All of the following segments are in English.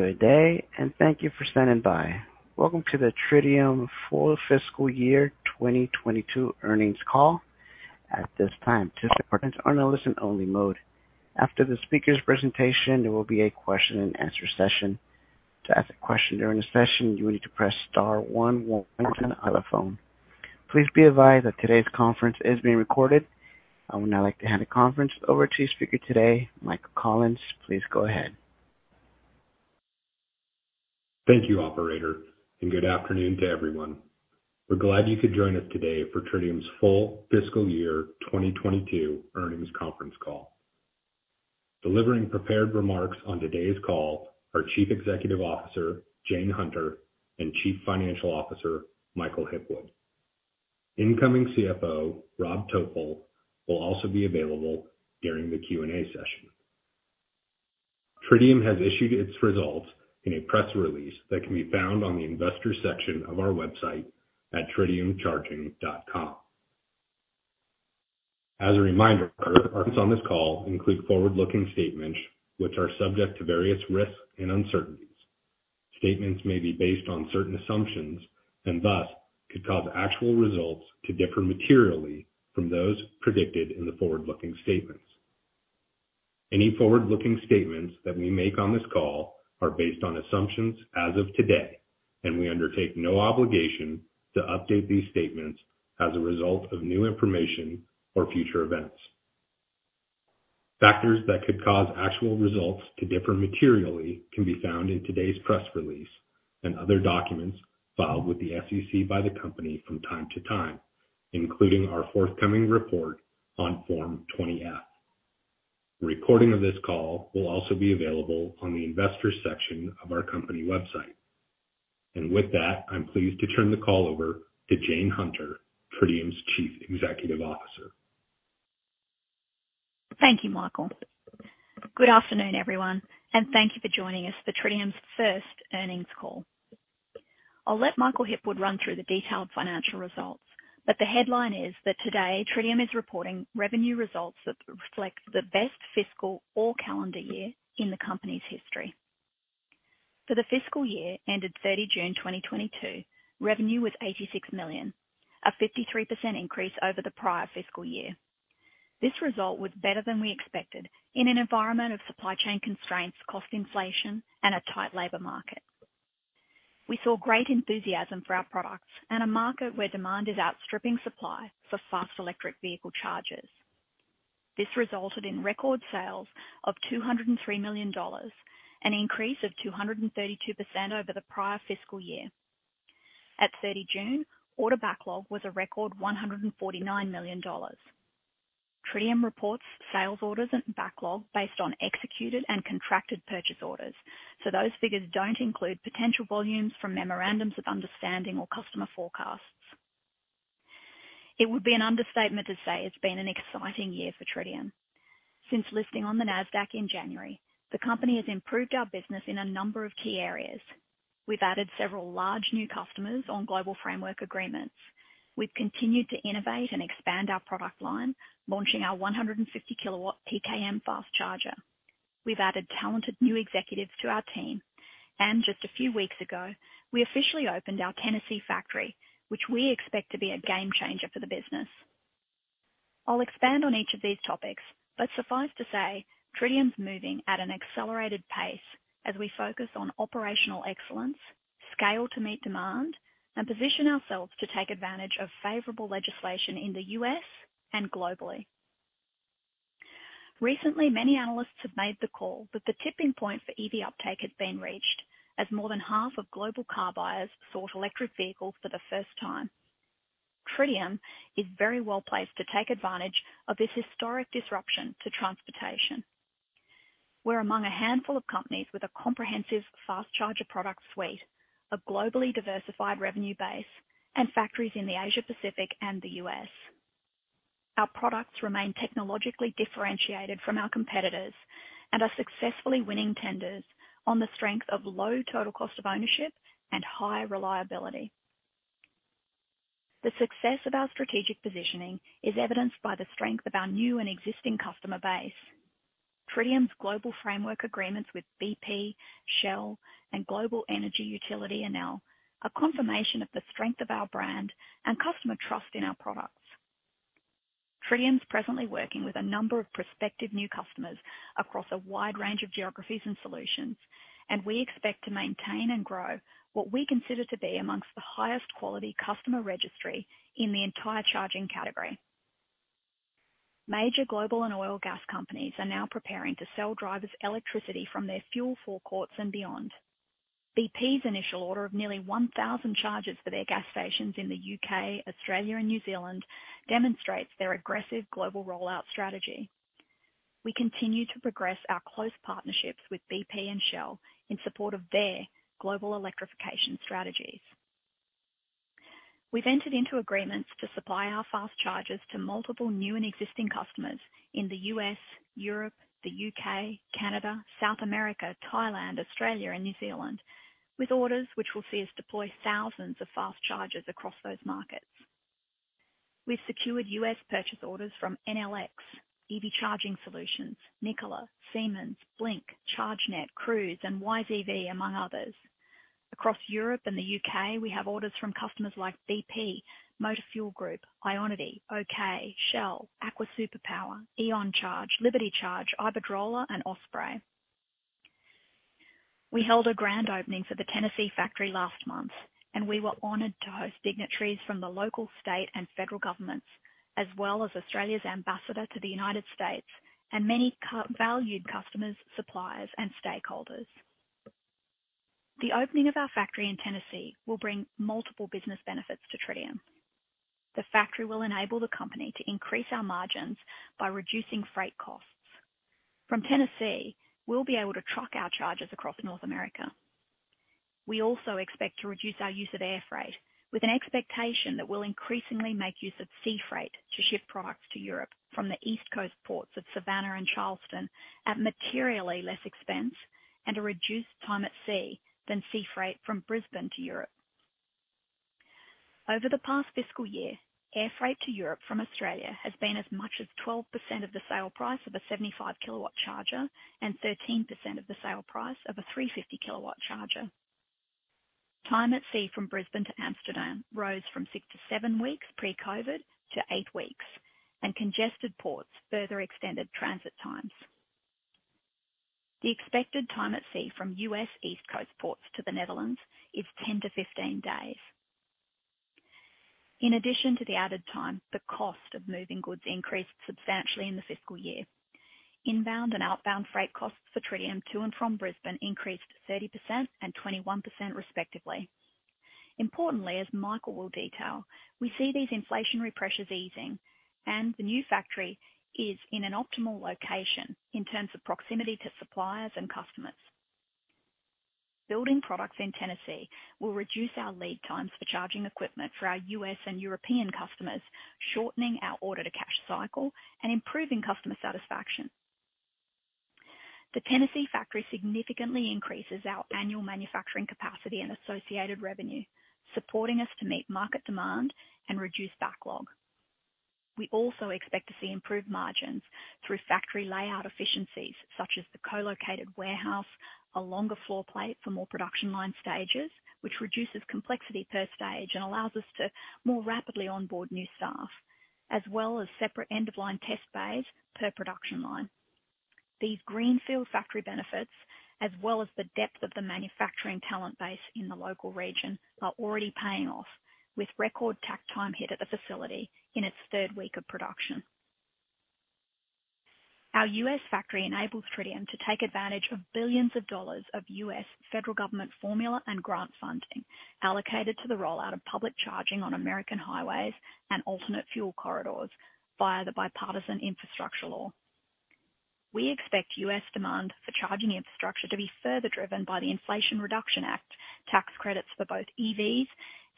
Good day, and thank you for standing by. Welcome to the Tritium full fiscal year 2022 earnings call. At this time, participants are in a listen only mode. After the speaker's presentation, there will be a question and answer session. To ask a question during the session, you will need to press star one on the telephone. Please be advised that today's conference is being recorded. I would now like to hand the conference over to speaker today, Michael Collins. Please go ahead. Thank you, operator, and good afternoon to everyone. We're glad you could join us today for Tritium's full fiscal year 2022 earnings conference call. Delivering prepared remarks on today's call are Chief Executive Officer Jane Hunter and Chief Financial Officer Michael Hipwood. Incoming CFO Rob Topol will also be available during the Q&A session. Tritium has issued its results in a press release that can be found on the investor section of our website at tritiumcharging.com. As a reminder, participants on this call include forward-looking statements which are subject to various risks and uncertainties. Statements may be based on certain assumptions and thus could cause actual results to differ materially from those predicted in the forward-looking statements. Any forward-looking statements that we make on this call are based on assumptions as of today, and we undertake no obligation to update these statements as a result of new information or future events. Factors that could cause actual results to differ materially can be found in today's press release and other documents filed with the SEC by the company from time to time, including our forthcoming report on Form 20-F. A recording of this call will also be available on the investor section of our company website. With that, I'm pleased to turn the call over to Jane Hunter, Tritium's Chief Executive Officer. Thank you, Michael. Good afternoon, everyone, and thank you for joining us for Tritium's first earnings call. I'll let Michael Hipwood run through the detailed financial results, but the headline is that today Tritium is reporting revenue results that reflect the best fiscal or calendar year in the company's history. For the fiscal year ended 30 June 2022, revenue was $86 million, a 53% increase over the prior fiscal year. This result was better than we expected in an environment of supply chain constraints, cost inflation and a tight labor market. We saw great enthusiasm for our products and a market where demand is outstripping supply for fast electric vehicle chargers. This resulted in record sales of $203 million, an increase of 232% over the prior fiscal year. At 30 June, order backlog was a record $149 million. Tritium reports sales orders and backlog based on executed and contracted purchase orders, so those figures don't include potential volumes from memorandums of understanding or customer forecasts. It would be an understatement to say it's been an exciting year for Tritium. Since listing on the Nasdaq in January, the company has improved our business in a number of key areas. We've added several large new customers on global framework agreements. We've continued to innovate and expand our product line, launching our 150 kW PKM fast charger. We've added talented new executives to our team, and just a few weeks ago, we officially opened our Tennessee factory, which we expect to be a game changer for the business. I'll expand on each of these topics, but suffice to say, Tritium's moving at an accelerated pace as we focus on operational excellence, scale to meet demand and position ourselves to take advantage of favorable legislation in the U.S. and globally. Recently, many analysts have made the call that the tipping point for EV uptake has been reached as more than half of global car buyers sought electric vehicles for the first time. Tritium is very well placed to take advantage of this historic disruption to transportation. We're among a handful of companies with a comprehensive fast charger product suite, a globally diversified revenue base and factories in the Asia Pacific and the U.S. Our products remain technologically differentiated from our competitors and are successfully winning tenders on the strength of low total cost of ownership and high reliability. The success of our strategic positioning is evidenced by the strength of our new and existing customer base. Tritium's global framework agreements with BP, Shell, and Enel, a confirmation of the strength of our brand and customer trust in our products. Tritium is presently working with a number of prospective new customers across a wide range of geographies and solutions, and we expect to maintain and grow what we consider to be among the highest quality customer registry in the entire charging category. Major global and oil and gas companies are now preparing to sell to drivers electricity from their fuel forecourts and beyond. BP's initial order of nearly 1,000 chargers for their gas stations in the UK, Australia, and New Zealand demonstrates their aggressive global rollout strategy. We continue to progress our close partnerships with BP and Shell in support of their global electrification strategies. We've entered into agreements to supply our fast chargers to multiple new and existing customers in the US, Europe, the UK, Canada, South America, Thailand, Australia and New Zealand with orders which will see us deploy thousands of fast chargers across those markets. We've secured US purchase orders from NLX, EV Charging Solutions, Nikola, Siemens, Blink, ChargeNet, Cruise, and EVgo, among others. Across Europe and the UK, we have orders from customers like BP, Motor Fuel Group, IONITY, OK, Shell, Aqua superPower, E.ON Charge, Liberty Charge, Iberdrola, and Osprey. We held a grand opening for the Tennessee factory last month, and we were honored to host dignitaries from the local, state, and federal governments, as well as Australia's ambassador to the United States and many valued customers, suppliers, and stakeholders. The opening of our factory in Tennessee will bring multiple business benefits to Tritium. The factory will enable the company to increase our margins by reducing freight costs. From Tennessee, we'll be able to truck our charges across North America. We also expect to reduce our use of air freight with an expectation that we'll increasingly make use of sea freight to ship products to Europe from the East Coast ports of Savannah and Charleston at materially less expense and a reduced time at sea than sea freight from Brisbane to Europe. Over the past fiscal year, air freight to Europe from Australia has been as much as 12% of the sale price of a 75 kW charger and 13% of the sale price of a 350 kW charger. Time at sea from Brisbane to Amsterdam rose from six to seven weeks pre-COVID to eight weeks, and congested ports further extended transit times. The expected time at sea from U.S. East Coast ports to the Netherlands is 10-15 days. In addition to the added time, the cost of moving goods increased substantially in the fiscal year. Inbound and outbound freight costs for Tritium to and from Brisbane increased 30% and 21%, respectively. Importantly, as Michael will detail, we see these inflationary pressures easing and the new factory is in an optimal location in terms of proximity to suppliers and customers. Building products in Tennessee will reduce our lead times for charging equipment for our U.S. and European customers, shortening our order to cash cycle and improving customer satisfaction. The Tennessee factory significantly increases our annual manufacturing capacity and associated revenue, supporting us to meet market demand and reduce backlog. We also expect to see improved margins through factory layout efficiencies such as the co-located warehouse, a longer floor plate for more production line stages, which reduces complexity per stage and allows us to more rapidly onboard new staff, as well as separate end-of-line test bays per production line. These greenfield factory benefits, as well as the depth of the manufacturing talent base in the local region, are already paying off with record takt time hit at the facility in its third week of production. Our U.S. factory enables Tritium to take advantage of billions of dollars of U.S. federal government formula and grant funding allocated to the rollout of public charging on American highways and alternate fuel corridors via the Bipartisan Infrastructure Law. We expect US demand for charging infrastructure to be further driven by the Inflation Reduction Act, tax credits for both EVs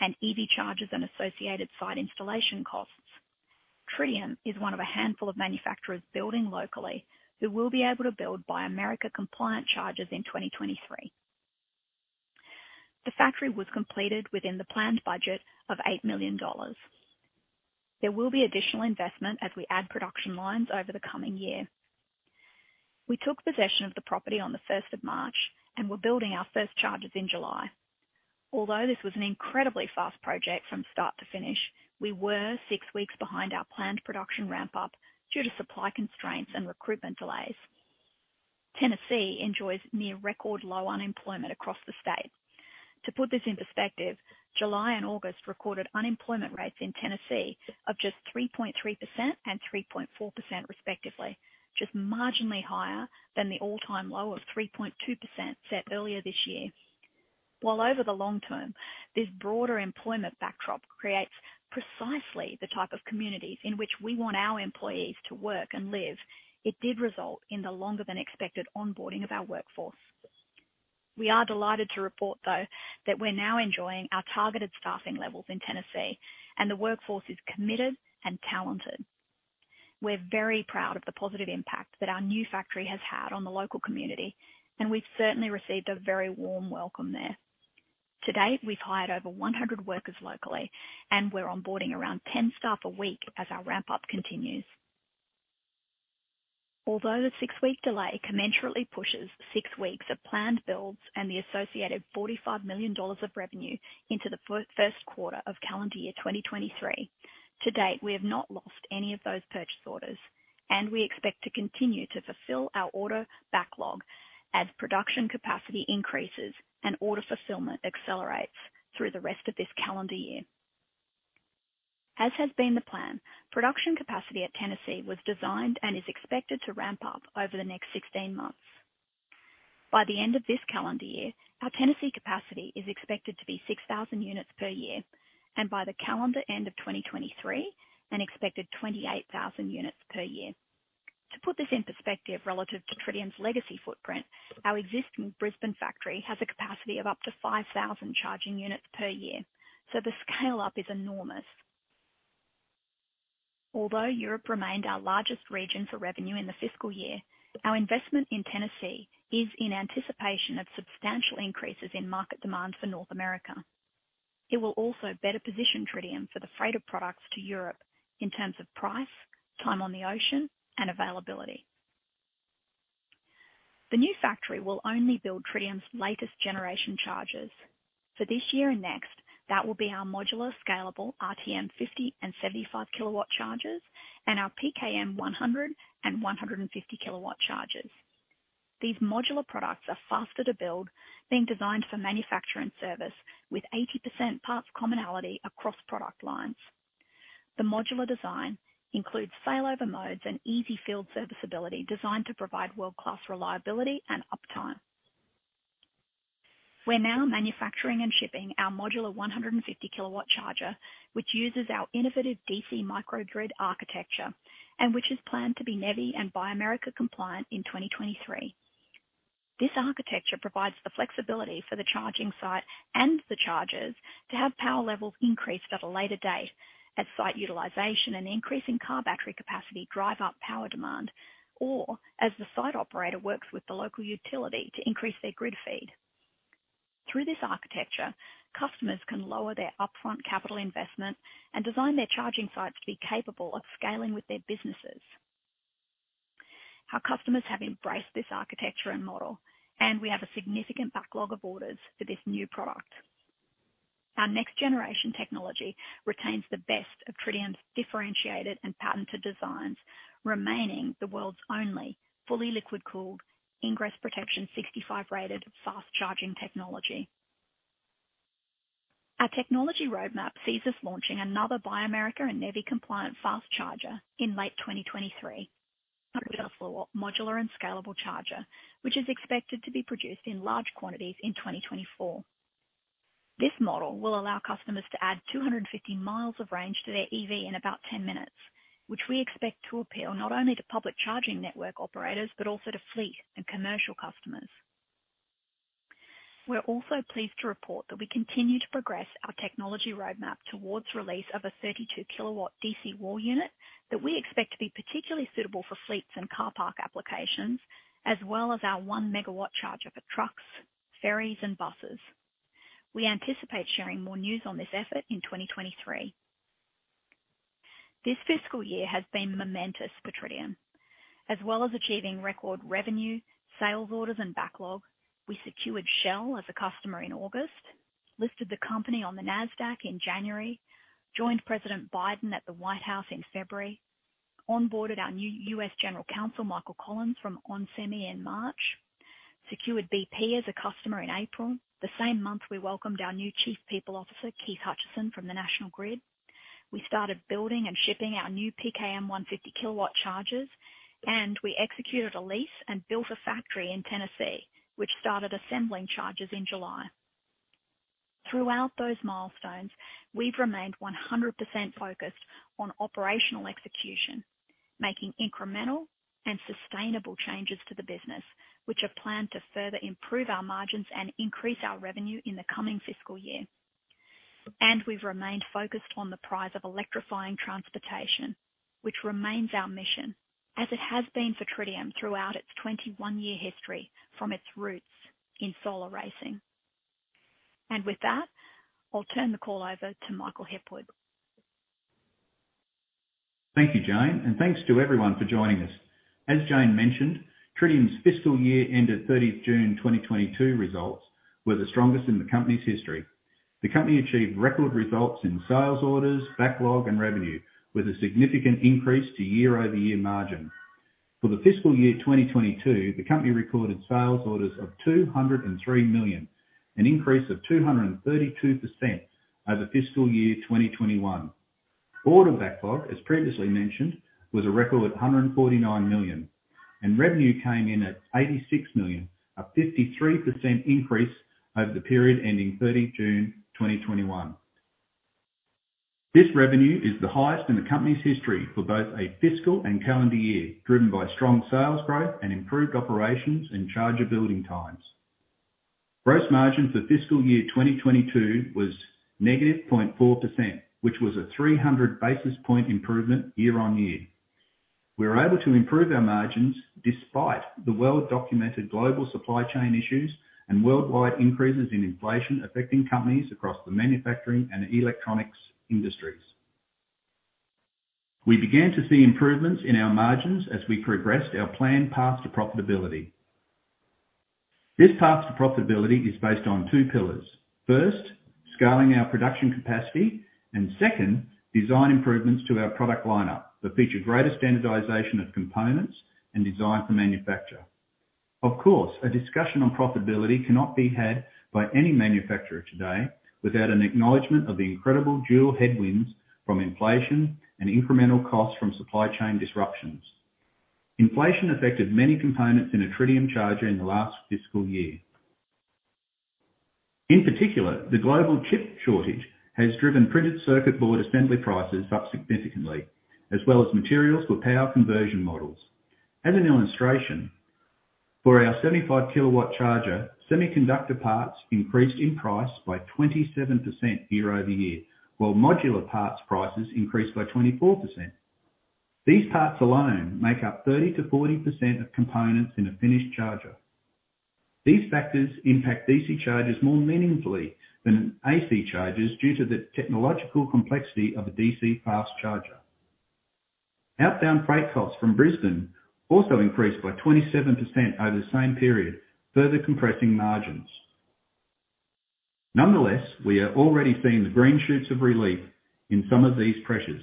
and EV chargers and associated site installation costs. Tritium is one of a handful of manufacturers building locally who will be able to build Buy America compliant chargers in 2023. The factory was completed within the planned budget of $8 million. There will be additional investment as we add production lines over the coming year. We took possession of the property on the first of March and were building our first chargers in July. Although this was an incredibly fast project from start to finish, we were 6 weeks behind our planned production ramp-up due to supply constraints and recruitment delays. Tennessee enjoys near record low unemployment across the state. To put this in perspective, July and August recorded unemployment rates in Tennessee of just 3.3% and 3.4% respectively, just marginally higher than the all-time low of 3.2% set earlier this year. While over the long term, this broader employment backdrop creates precisely the type of communities in which we want our employees to work and live, it did result in the longer than expected onboarding of our workforce. We are delighted to report, though, that we're now enjoying our targeted staffing levels in Tennessee and the workforce is committed and talented. We're very proud of the positive impact that our new factory has had on the local community, and we've certainly received a very warm welcome there. To date, we've hired over 100 workers locally, and we're onboarding around 10 staff a week as our ramp up continues. Although the six week delay commensurately pushes six weeks of planned builds and the associated $45 million of revenue into the first quarter of calendar year 2023. To date, we have not lost any of those purchase orders, and we expect to continue to fulfill our order backlog as production capacity increases and order fulfillment accelerates through the rest of this calendar year. As has been the plan, production capacity at Tennessee was designed and is expected to ramp up over the next 16 months. By the end of this calendar year, our Tennessee capacity is expected to be 6,000 units per year and by the calendar end of 2023, an expected 28,000 units per year. To put this in perspective relative to Tritium's legacy footprint, our existing Brisbane factory has a capacity of up to 5,000 charging units per year. The scale-up is enormous. Although Europe remained our largest region for revenue in the fiscal year, our investment in Tennessee is in anticipation of substantial increases in market demand for North America. It will also better position Tritium for the freighter products to Europe in terms of price, time on the ocean, and availability. The new factory will only build Tritium's latest generation chargers. For this year and next, that will be our modular scalable RTM 50 and 75 kW chargers and our PKM 100 and 150 kW chargers. These modular products are faster to build, being designed for manufacture and service with 80% parts commonality across product lines. The modular design includes failover modes and easy field serviceability designed to provide world-class reliability and uptime. We're now manufacturing and shipping our modular 150 kW charger, which uses our innovative DC microgrid architecture and which is planned to be NEVI and Buy America compliant in 2023. This architecture provides the flexibility for the charging site and the chargers to have power levels increased at a later date as site utilization and increasing car battery capacity drive up power demand, or as the site operator works with the local utility to increase their grid feed. Through this architecture, customers can lower their upfront capital investment and design their charging sites to be capable of scaling with their businesses. Our customers have embraced this architecture and model, and we have a significant backlog of orders for this new product. Our next generation technology retains the best of Tritium's differentiated and patented designs, remaining the world's only fully liquid-cooled IP65-rated fast charging technology. Our technology roadmap sees us launching another Buy America- and NEVI-compliant fast charger in late 2023. Our modular and scalable charger, which is expected to be produced in large quantities in 2024. This model will allow customers to add 250 miles of range to their EV in about 10 minutes, which we expect to appeal not only to public charging network operators, but also to fleet and commercial customers. We're also pleased to report that we continue to progress our technology roadmap towards release of a 32 kW DC wall unit that we expect to be particularly suitable for fleets and car park applications, as well as our 1 MW charger for trucks, ferries, and buses. We anticipate sharing more news on this effort in 2023. This fiscal year has been momentous for Tritium. As well as achieving record revenue, sales orders, and backlog, we secured Shell as a customer in August, listed the company on the Nasdaq in January, joined President Biden at the White House in February, onboarded our new U.S. General Counsel, Michael Collins, from onsemi in March, secured BP as a customer in April. The same month we welcomed our new Chief People Officer, Keith Hutchison from the National Grid. We started building and shipping our new PKM 150 kW chargers, and we executed a lease and built a factory in Tennessee, which started assembling chargers in July. Throughout those milestones, we've remained 100% focused on operational execution, making incremental and sustainable changes to the business, which are planned to further improve our margins and increase our revenue in the coming fiscal year. We've remained focused on the prize of electrifying transportation, which remains our mission as it has been for Tritium throughout its 21-year history from its roots in solar racing. With that, I'll turn the call over to Michael Hipwood. Thank you, Jane, and thanks to everyone for joining us. As Jane mentioned, Tritium's fiscal year ended 30 June 2022 results were the strongest in the company's history. The company achieved record results in sales orders, backlog, and revenue, with a significant increase to year-over-year margin. For the fiscal year 2022, the company recorded sales orders of $203 million, an increase of 232% over fiscal year 2021. Order backlog, as previously mentioned, was a record of $149 million, and revenue came in at $86 million, a 53% increase over the period ending 30 June 2021. This revenue is the highest in the company's history for both a fiscal and calendar year, driven by strong sales growth and improved operations and charger building times. Gross margin for fiscal year 2022 was -0.4%, which was a 300 basis point improvement year-on-year. We were able to improve our margins despite the well-documented global supply chain issues and worldwide increases in inflation affecting companies across the manufacturing and electronics industries. We began to see improvements in our margins as we progressed our planned path to profitability. This path to profitability is based on two pillars. First, scaling our production capacity, and second, design improvements to our product lineup that feature greater standardization of components and design for manufacture. Of course, a discussion on profitability cannot be had by any manufacturer today without an acknowledgment of the incredible dual headwinds from inflation and incremental costs from supply chain disruptions. Inflation affected many components in a Tritium charger in the last fiscal year. In particular, the global chip shortage has driven printed circuit board assembly prices up significantly, as well as materials for power conversion models. As an illustration. For our 75 kW charger, semiconductor parts increased in price by 27% year-over-year, while modular parts prices increased by 24%. These parts alone make up 30%-40% of components in a finished charger. These factors impact DC chargers more meaningfully than AC chargers due to the technological complexity of a DC fast charger. Outbound freight costs from Brisbane also increased by 27% over the same period, further compressing margins. Nonetheless, we are already seeing the green shoots of relief in some of these pressures.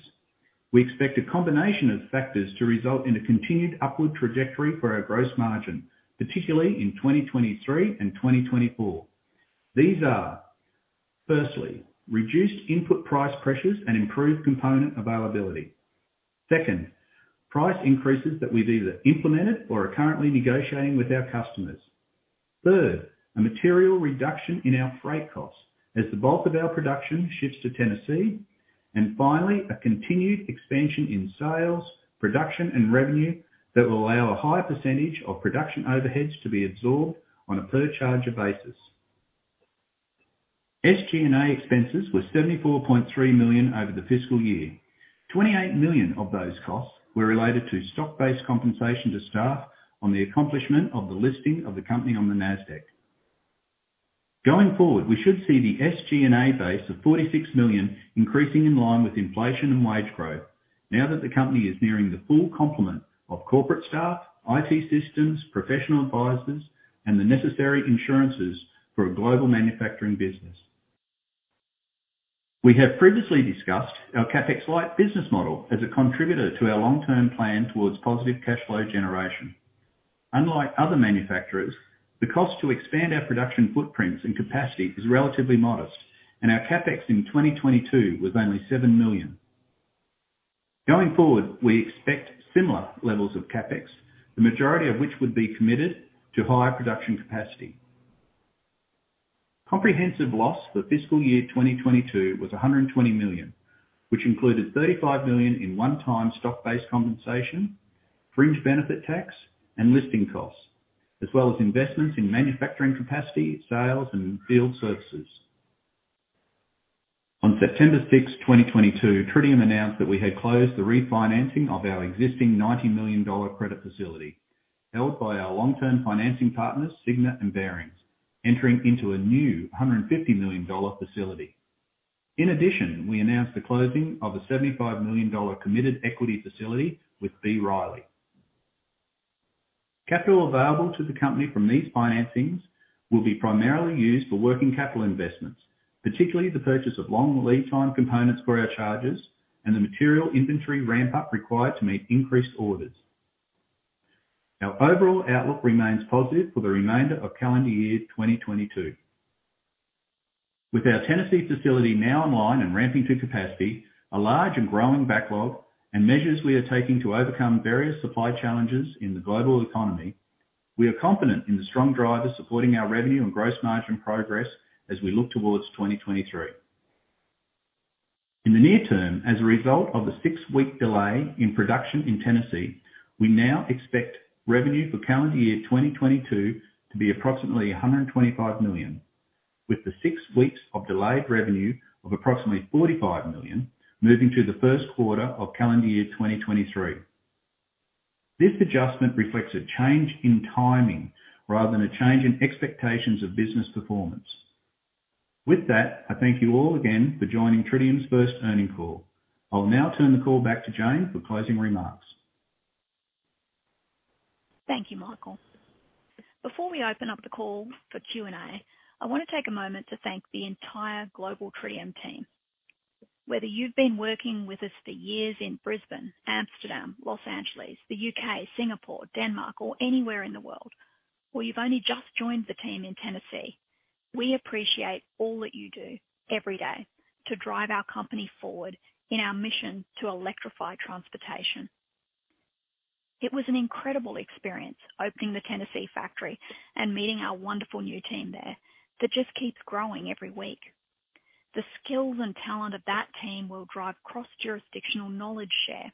We expect a combination of factors to result in a continued upward trajectory for our gross margin, particularly in 2023 and 2024. These are firstly, reduced input price pressures and improved component availability. Second, price increases that we've either implemented or are currently negotiating with our customers. Third, a material reduction in our freight costs as the bulk of our production shifts to Tennessee. Finally, a continued expansion in sales, production, and revenue that will allow a higher percentage of production overheads to be absorbed on a per charger basis. SG&A expenses were $74.3 million over the fiscal year. $28 million of those costs were related to stock-based compensation to staff on the accomplishment of the listing of the company on the Nasdaq. Going forward, we should see the SG&A base of $46 million increasing in line with inflation and wage growth now that the company is nearing the full complement of corporate staff, IT systems, professional advisors, and the necessary insurances for a global manufacturing business. We have previously discussed our CapEx-light business model as a contributor to our long-term plan towards positive cash flow generation. Unlike other manufacturers, the cost to expand our production footprints and capacity is relatively modest, and our CapEx in 2022 was only $7 million. Going forward, we expect similar levels of CapEx, the majority of which would be committed to higher production capacity. Comprehensive loss for fiscal year 2022 was $120 million, which included $35 million in one-time stock-based compensation, fringe benefit tax, and listing costs, as well as investments in manufacturing capacity, sales, and field services. On September 6, 2022, Tritium announced that we had closed the refinancing of our existing $90 million credit facility held by our long-term financing partners, Cigna and Barings, entering into a new $150 million facility. In addition, we announced the closing of a $75 million committed equity facility with B. Riley. Capital available to the company from these financings will be primarily used for working capital investments, particularly the purchase of long lead time components for our chargers and the material inventory ramp-up required to meet increased orders. Our overall outlook remains positive for the remainder of calendar year 2022. With our Tennessee facility now online and ramping to capacity, a large and growing backlog, and measures we are taking to overcome various supply challenges in the global economy, we are confident in the strong drivers supporting our revenue and gross margin progress as we look towards 2023. In the near term, as a result of the six week delay in production in Tennessee, we now expect revenue for calendar year 2022 to be approximately $125 million, with the six weeks of delayed revenue of approximately $45 million moving to the first quarter of calendar year 2023. This adjustment reflects a change in timing rather than a change in expectations of business performance. With that, I thank you all again for joining Tritium's first earnings call. I will now turn the call back to Jane for closing remarks. Thank you, Michael. Before we open up the call for Q&A, I want to take a moment to thank the entire global Tritium team. Whether you've been working with us for years in Brisbane, Amsterdam, Los Angeles, the UK, Singapore, Denmark, or anywhere in the world, or you've only just joined the team in Tennessee, we appreciate all that you do every day to drive our company forward in our mission to electrify transportation. It was an incredible experience opening the Tennessee factory and meeting our wonderful new team there that just keeps growing every week. The skills and talent of that team will drive cross-jurisdictional knowledge share,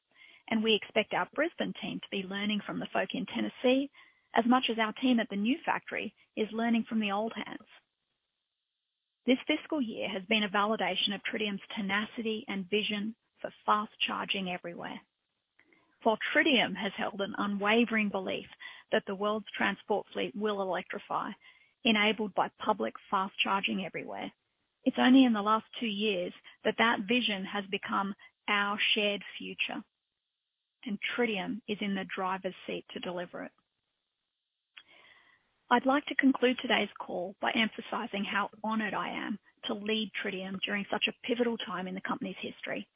and we expect our Brisbane team to be learning from the folk in Tennessee as much as our team at the new factory is learning from the old hands. This fiscal year has been a validation of Tritium's tenacity and vision for fast charging everywhere. For Tritium has held an unwavering belief that the world's transport fleet will electrify, enabled by public fast charging everywhere. It's only in the last two years that that vision has become our shared future, and Tritium is in the driver's seat to deliver it. I'd like to conclude today's call by emphasizing how honored I am to lead Tritium during such a pivotal time in the company's history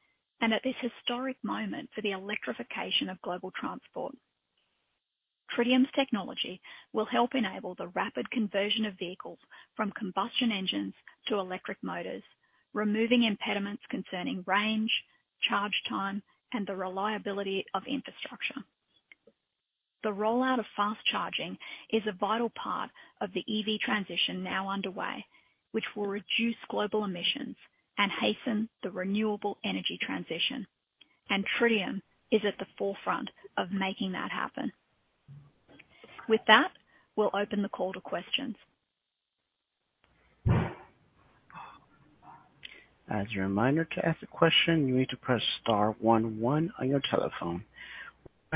and at this historic moment for the electrification of global transport. Tritium's technology will help enable the rapid conversion of vehicles from combustion engines to electric motors, removing impediments concerning range, charge time, and the reliability of infrastructure. The rollout of fast charging is a vital part of the EV transition now underway, which will reduce global emissions and hasten the renewable energy transition. Tritium is at the forefront of making that happen. With that, we'll open the call to questions. As your reminder, to ask a question, you need to press star one one on your telephone.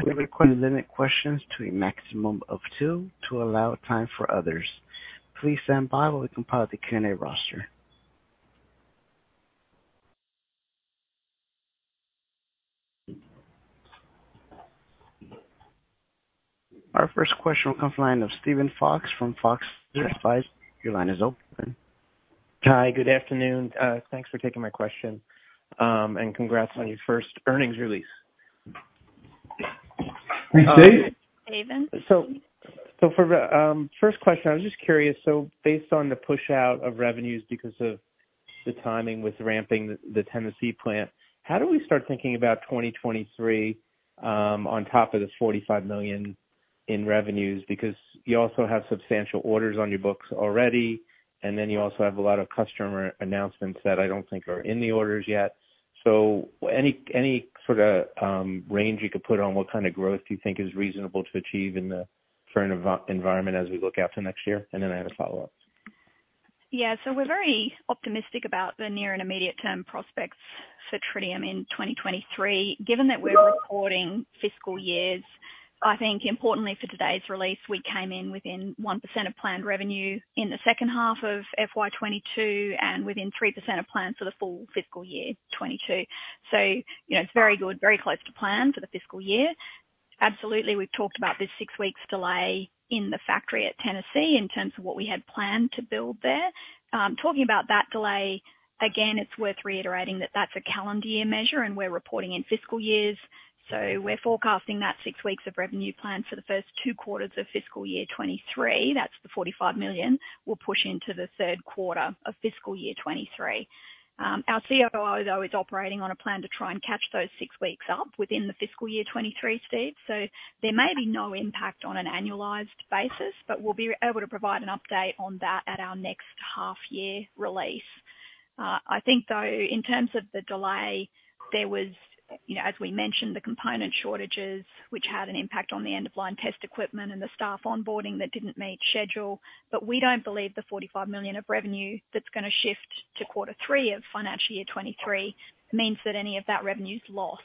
We request you limit questions to a maximum of two to allow time for others. Please stand by while we compile the Q&A roster. Our first question will come from the line of Steven Fox from Fox Advisors. Sure. Your line is open. Hi. Good afternoon. Thanks for taking my question. Congrats on your first earnings release. Thank you. For first question, I was just curious. Based on the push out of revenues because of the timing with ramping the Tennessee plant, how do we start thinking about 2023 on top of this $45 million in revenues? Because you also have substantial orders on your books already, and then you also have a lot of customer announcements that I don't think are in the orders yet. Any sort of range you could put on what kind of growth do you think is reasonable to achieve in the current environment as we look out to next year? And then I have a follow-up. Yeah. We're very optimistic about the near and immediate term prospects for Tritium in 2023. Given that we're reporting fiscal years, I think importantly for today's release, we came in within 1% of planned revenue in the second half of FY 2022 and within 3% of plan for the full fiscal year 2022. You know, it's very good, very close to plan for the fiscal year. Absolutely, we've talked about this six weeks delay in the factory at Tennessee in terms of what we had planned to build there. Talking about that delay, again, it's worth reiterating that that's a calendar year measure, and we're reporting in fiscal years. We're forecasting that six weeks of revenue plan for the first two quarters of fiscal year 2023. That's the $45 million we'll push into the third quarter of fiscal year 2023. Our COO, though, is operating on a plan to try and catch those six weeks up within the fiscal year 2023 state. There may be no impact on an annualized basis, but we'll be able to provide an update on that at our next half year release. I think though, in terms of the delay, there was, you know, as we mentioned, the component shortages, which had an impact on the end-of-line test equipment and the staff onboarding that didn't meet schedule. We don't believe the $45 million of revenue that's gonna shift to quarter three of financial year 2023 means that any of that revenue is lost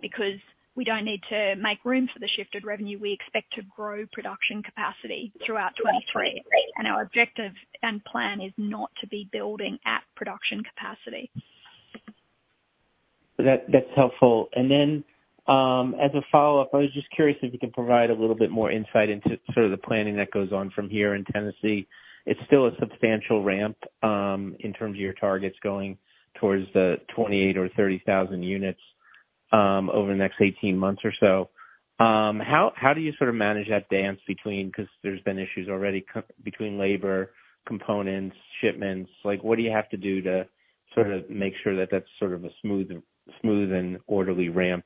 because we don't need to make room for the shifted revenue. We expect to grow production capacity throughout 2023, and our objective and plan is not to be building at production capacity. That's helpful. Then, as a follow-up, I was just curious if you could provide a little bit more insight into sort of the planning that goes on from here in Tennessee. It's still a substantial ramp in terms of your targets going towards the 28 or 30,000 units over the next 18 months or so. How do you sort of manage that dance between, 'cause there's been issues already between labor, components, shipments. Like, what do you have to do to sort of make sure that that's sort of a smooth and orderly ramp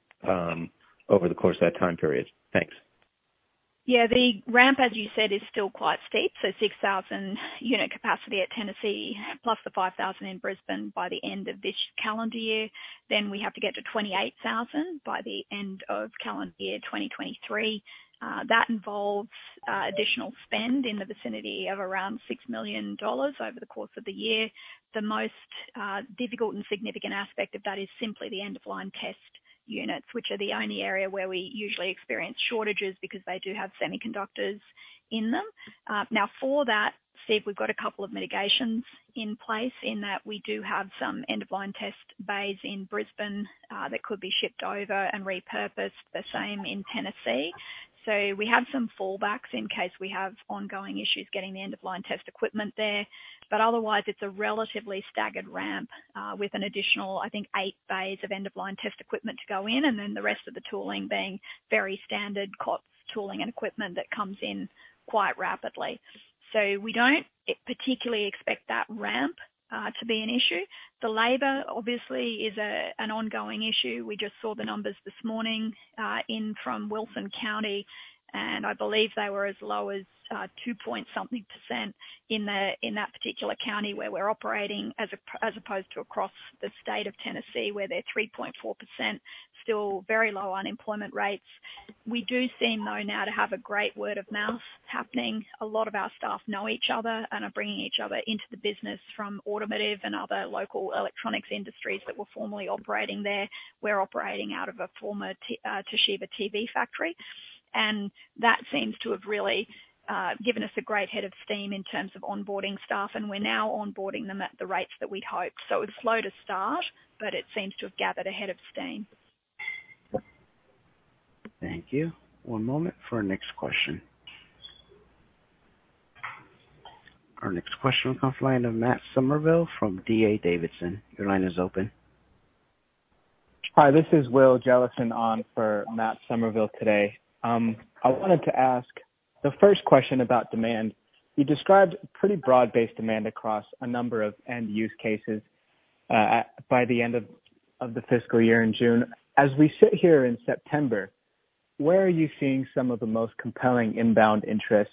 over the course of that time period? Thanks. Yeah. The ramp, as you said, is still quite steep. 6,000 unit capacity at Tennessee, plus the 5,000 in Brisbane by the end of this calendar year. Then we have to get to 28,000 by the end of calendar year 2023. That involves additional spend in the vicinity of around $6 million over the course of the year. The most difficult and significant aspect of that is simply the end-of-line test units, which are the only area where we usually experience shortages because they do have semiconductors in them. Now, for that, Steve, we've got a couple of mitigations in place in that we do have some end-of-line test bays in Brisbane that could be shipped over and repurposed, the same in Tennessee. We have some fallbacks in case we have ongoing issues getting the end-of-line test equipment there. Otherwise, it's a relatively staggered ramp, with an additional, I think, eight bays of end-of-line test equipment to go in, and then the rest of the tooling being very standard COTS tooling and equipment that comes in quite rapidly. We don't particularly expect that ramp to be an issue. The labor obviously is an ongoing issue. We just saw the numbers this morning, in from Wilson County, and I believe they were as low as two point something percent in that particular county where we're operating as opposed to across the state of Tennessee, where they're 3.4%, still very low unemployment rates. We do seem, though, now to have a great word of mouth happening. A lot of our staff know each other and are bringing each other into the business from automotive and other local electronics industries that were formerly operating there. We're operating out of a former Toshiba TV factory. That seems to have really given us a great head of steam in terms of onboarding staff, and we're now onboarding them at the rates that we'd hoped. It was slow to start, but it seems to have gathered a head of steam. Thank you. One moment for our next question. Our next question comes from the line of Matt Summerville from D.A. Davidson your line is open. Hi, this is Will Jellison on for Matt Summerville today. I wanted to ask the first question about demand. You described pretty broad-based demand across a number of end-use cases by the end of the fiscal year in June. As we sit here in September, where are you seeing some of the most compelling inbound interest,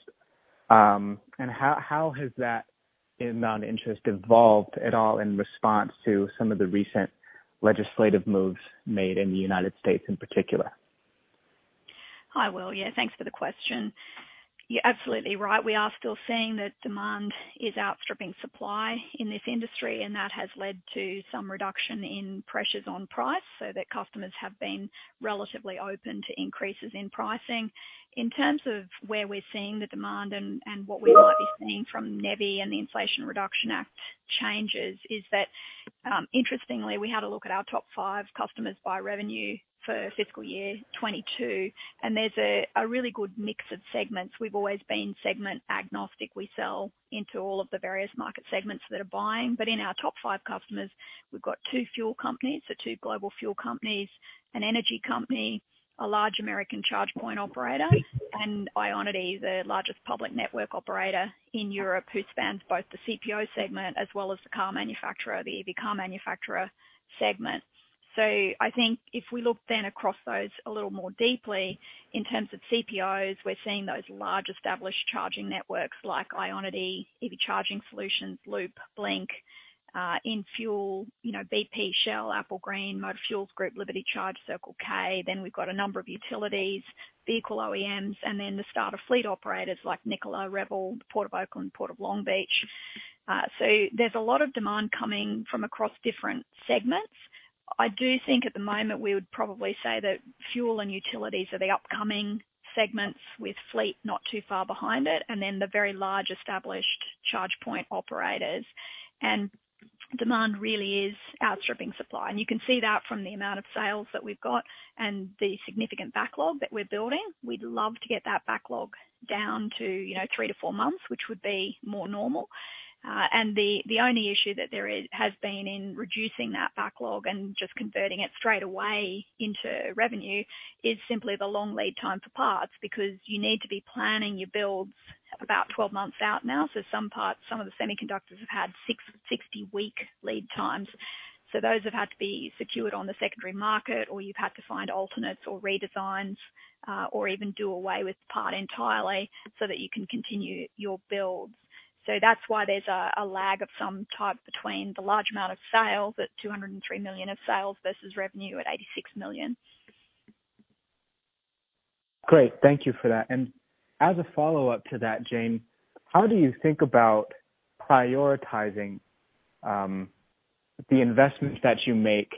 and how has that inbound interest evolved at all in response to some of the recent legislative moves made in the United States in particular? Hi, Will. Yeah, thanks for the question. You're absolutely right. We are still seeing that demand is outstripping supply in this industry, and that has led to some reduction in pressures on price, so that customers have been relatively open to increases in pricing. In terms of where we're seeing the demand and what we might be seeing from NEVI and the Inflation Reduction Act changes is that, interestingly, we had a look at our top five customers by revenue for fiscal year 2022, and there's a really good mix of segments. We've always been segment agnostic. We sell into all of the various market segments that are buying, but in our top five customers, we've got two fuel companies, so two global fuel companies, an energy company, a large American charge point operator, and IONITY, the largest public network operator in Europe who spans both the CPO segment as well as the car manufacturer, the EV car manufacturer segment. I think if we look then across those a little more deeply in terms of CPOs, we're seeing those large established charging networks like IONITY, EV Charging Solutions, Loop, Blink, in fuel, you know, BP, Shell, Applegreen, Motor Fuel Group, Liberty Charge, Circle K. We've got a number of utilities, vehicle OEMs, and then the starter fleet operators like Nikola, Revel, Port of Oakland, Port of Long Beach. There's a lot of demand coming from across different segments. I do think at the moment we would probably say that fuel and utilities are the upcoming segments with fleet not too far behind it, and then the very large established charge point operators. Demand really is outstripping supply. You can see that from the amount of sales that we've got and the significant backlog that we're building. We'd love to get that backlog down to, you know, three to four months, which would be more normal. The only issue that there is, has been in reducing that backlog and just converting it straight away into revenue is simply the long lead time for parts, because you need to be planning your builds about 12 months out now. Some parts, some of the semiconductors have had 60-week lead times. Those have had to be secured on the secondary market, or you've had to find alternates or redesigns, or even do away with the part entirely so that you can continue your builds. That's why there's a lag of some type between the large amount of sales at $203 million versus revenue at $86 million. Great. Thank you for that. As a follow-up to that, Jane, how do you think about prioritizing the investments that you make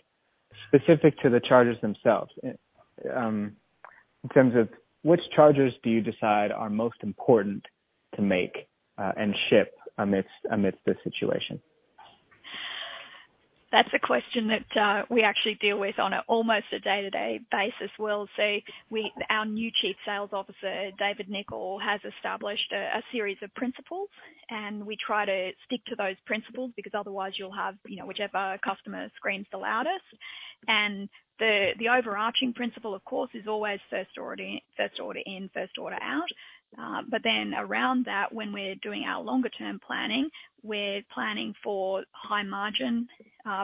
specific to the chargers themselves? In terms of which chargers do you decide are most important to make and ship amidst this situation? That's a question that we actually deal with on almost a day-to-day basis, Will. Our new Chief Sales Officer, David Nicholl, has established a series of principles, and we try to stick to those principles because otherwise you'll have, you know, whichever customer screams the loudest. The overarching principle, of course, is always first order, first order in, first order out. Around that, when we're doing our longer term planning, we're planning for high margin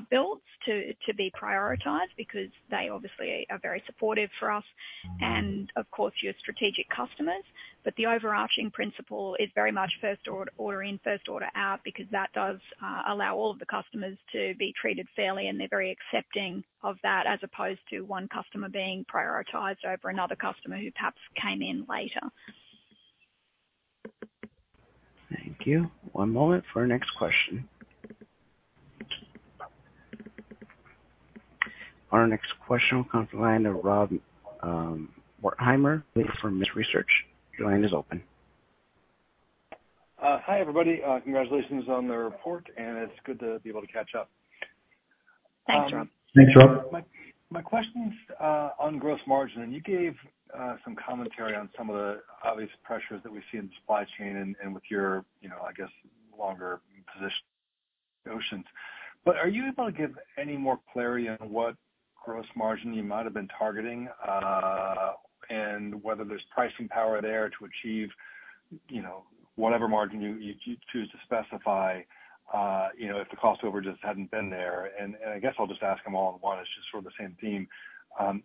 builds to be prioritized because they obviously are very supportive for us and of course your strategic customers. The overarching principle is very much first order in, first order out, because that does allow all of the customers to be treated fairly, and they're very accepting of that, as opposed to one customer being prioritized over another customer who perhaps came in later. Thank you. One moment for our next question. Our next question will come from the line of Rob Wertheimer with Melius Research. Your line is open. Hi, everybody. Congratulations on the report, and it's good to be able to catch up. Thanks, Rob. Thanks, Rob. My question's on gross margin. You gave some commentary on some of the obvious pressures that we see in the supply chain and with your, you know, I guess, longer position notions. Are you able to give any more clarity on what gross margin you might have been targeting? Whether there's pricing power there to achieve, you know, whatever margin you choose to specify, you know, if the cost overruns hadn't been there. I guess I'll just ask them all in one. It's just sort of the same theme.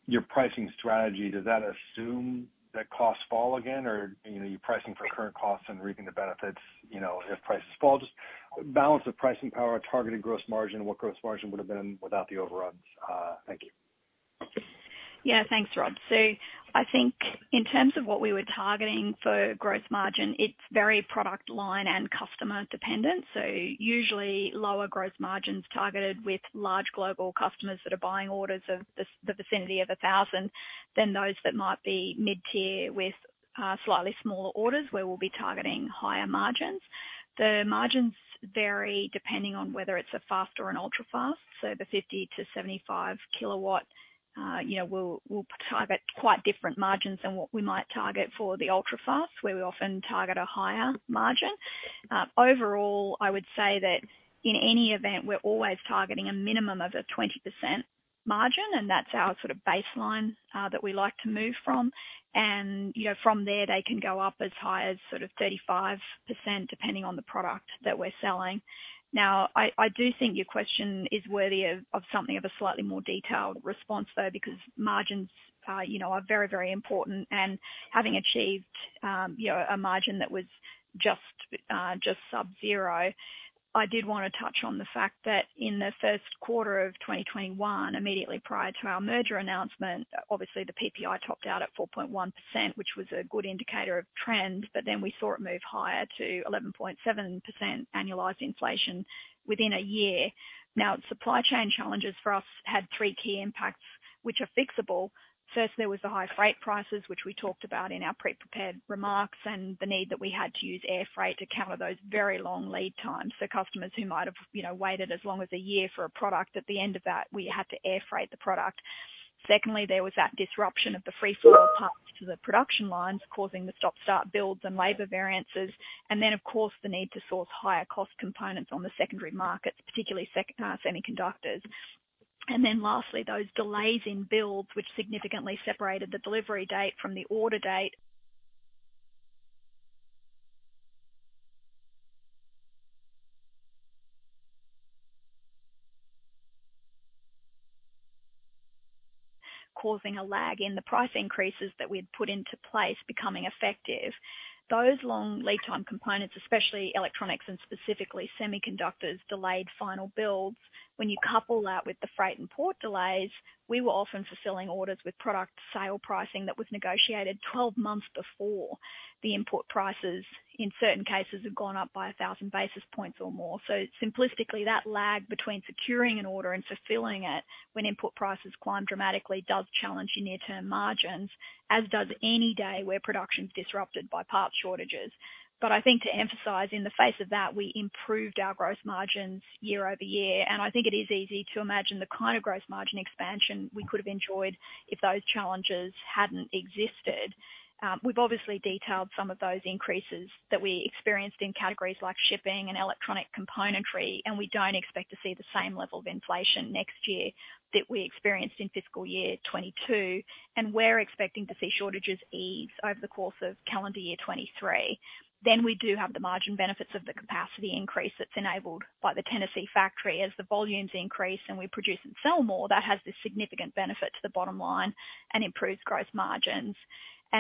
Your pricing strategy, does that assume that costs fall again or, you know, you're pricing for current costs and reaping the benefits, you know, if prices fall? Just balance the pricing power, targeted gross margin, what gross margin would have been without the overruns. Thank you. Yeah. Thanks, Rob. I think in terms of what we were targeting for gross margin, it's very product line and customer dependent. Usually lower gross margins targeted with large global customers that are buying orders in the vicinity of 1,000, than those that might be mid-tier with slightly smaller orders where we'll be targeting higher margins. The margins vary depending on whether it's a fast or an ultra fast. The 50-75 kW, you know, we'll target quite different margins than what we might target for the ultra fast, where we often target a higher margin. Overall, I would say that in any event, we're always targeting a minimum of a 20% margin, and that's our sort of baseline that we like to move from. You know, from there, they can go up as high as sort of 35%, depending on the product that we're selling. Now, I do think your question is worthy of something of a slightly more detailed response though, because margins, you know, are very, very important. Having achieved, you know, a margin that was just sub-zero. I did want to touch on the fact that in the first quarter of 2021, immediately prior to our merger announcement, obviously the PPI topped out at 4.1%, which was a good indicator of trends. We saw it move higher to 11.7% annualized inflation within a year. Now, supply chain challenges for us had three key impacts which are fixable. First, there was the high freight prices, which we talked about in our pre-prepared remarks, and the need that we had to use air freight to counter those very long lead times for customers who might have, you know, waited as long as a year for a product. At the end of that, we had to air freight the product. Secondly, there was that disruption of the free flow of parts to the production lines, causing the stop-start builds and labor variances. Of course, the need to source higher cost components on the secondary markets, particularly semiconductors. Lastly, those delays in builds, which significantly separated the delivery date from the order date, causing a lag in the price increases that we'd put into place becoming effective. Those long lead time components, especially electronics and specifically semiconductors, delayed final builds. When you couple that with the freight and port delays, we were often fulfilling orders with product sale pricing that was negotiated 12 months before. The import prices in certain cases have gone up by 1,000 basis points or more. Simplistically, that lag between securing an order and fulfilling it when input prices climb dramatically does challenge your near-term margins, as does any day where production is disrupted by parts shortages. I think to emphasize in the face of that, we improved our gross margins year-over-year, and I think it is easy to imagine the kind of gross margin expansion we could have enjoyed if those challenges hadn't existed. We've obviously detailed some of those increases that we experienced in categories like shipping and electronic componentry, and we don't expect to see the same level of inflation next year that we experienced in fiscal year 2022. We're expecting to see shortages ease over the course of calendar year 2023. We do have the margin benefits of the capacity increase that's enabled by the Tennessee factory. As the volumes increase and we produce and sell more, that has a significant benefit to the bottom line and improves gross margins.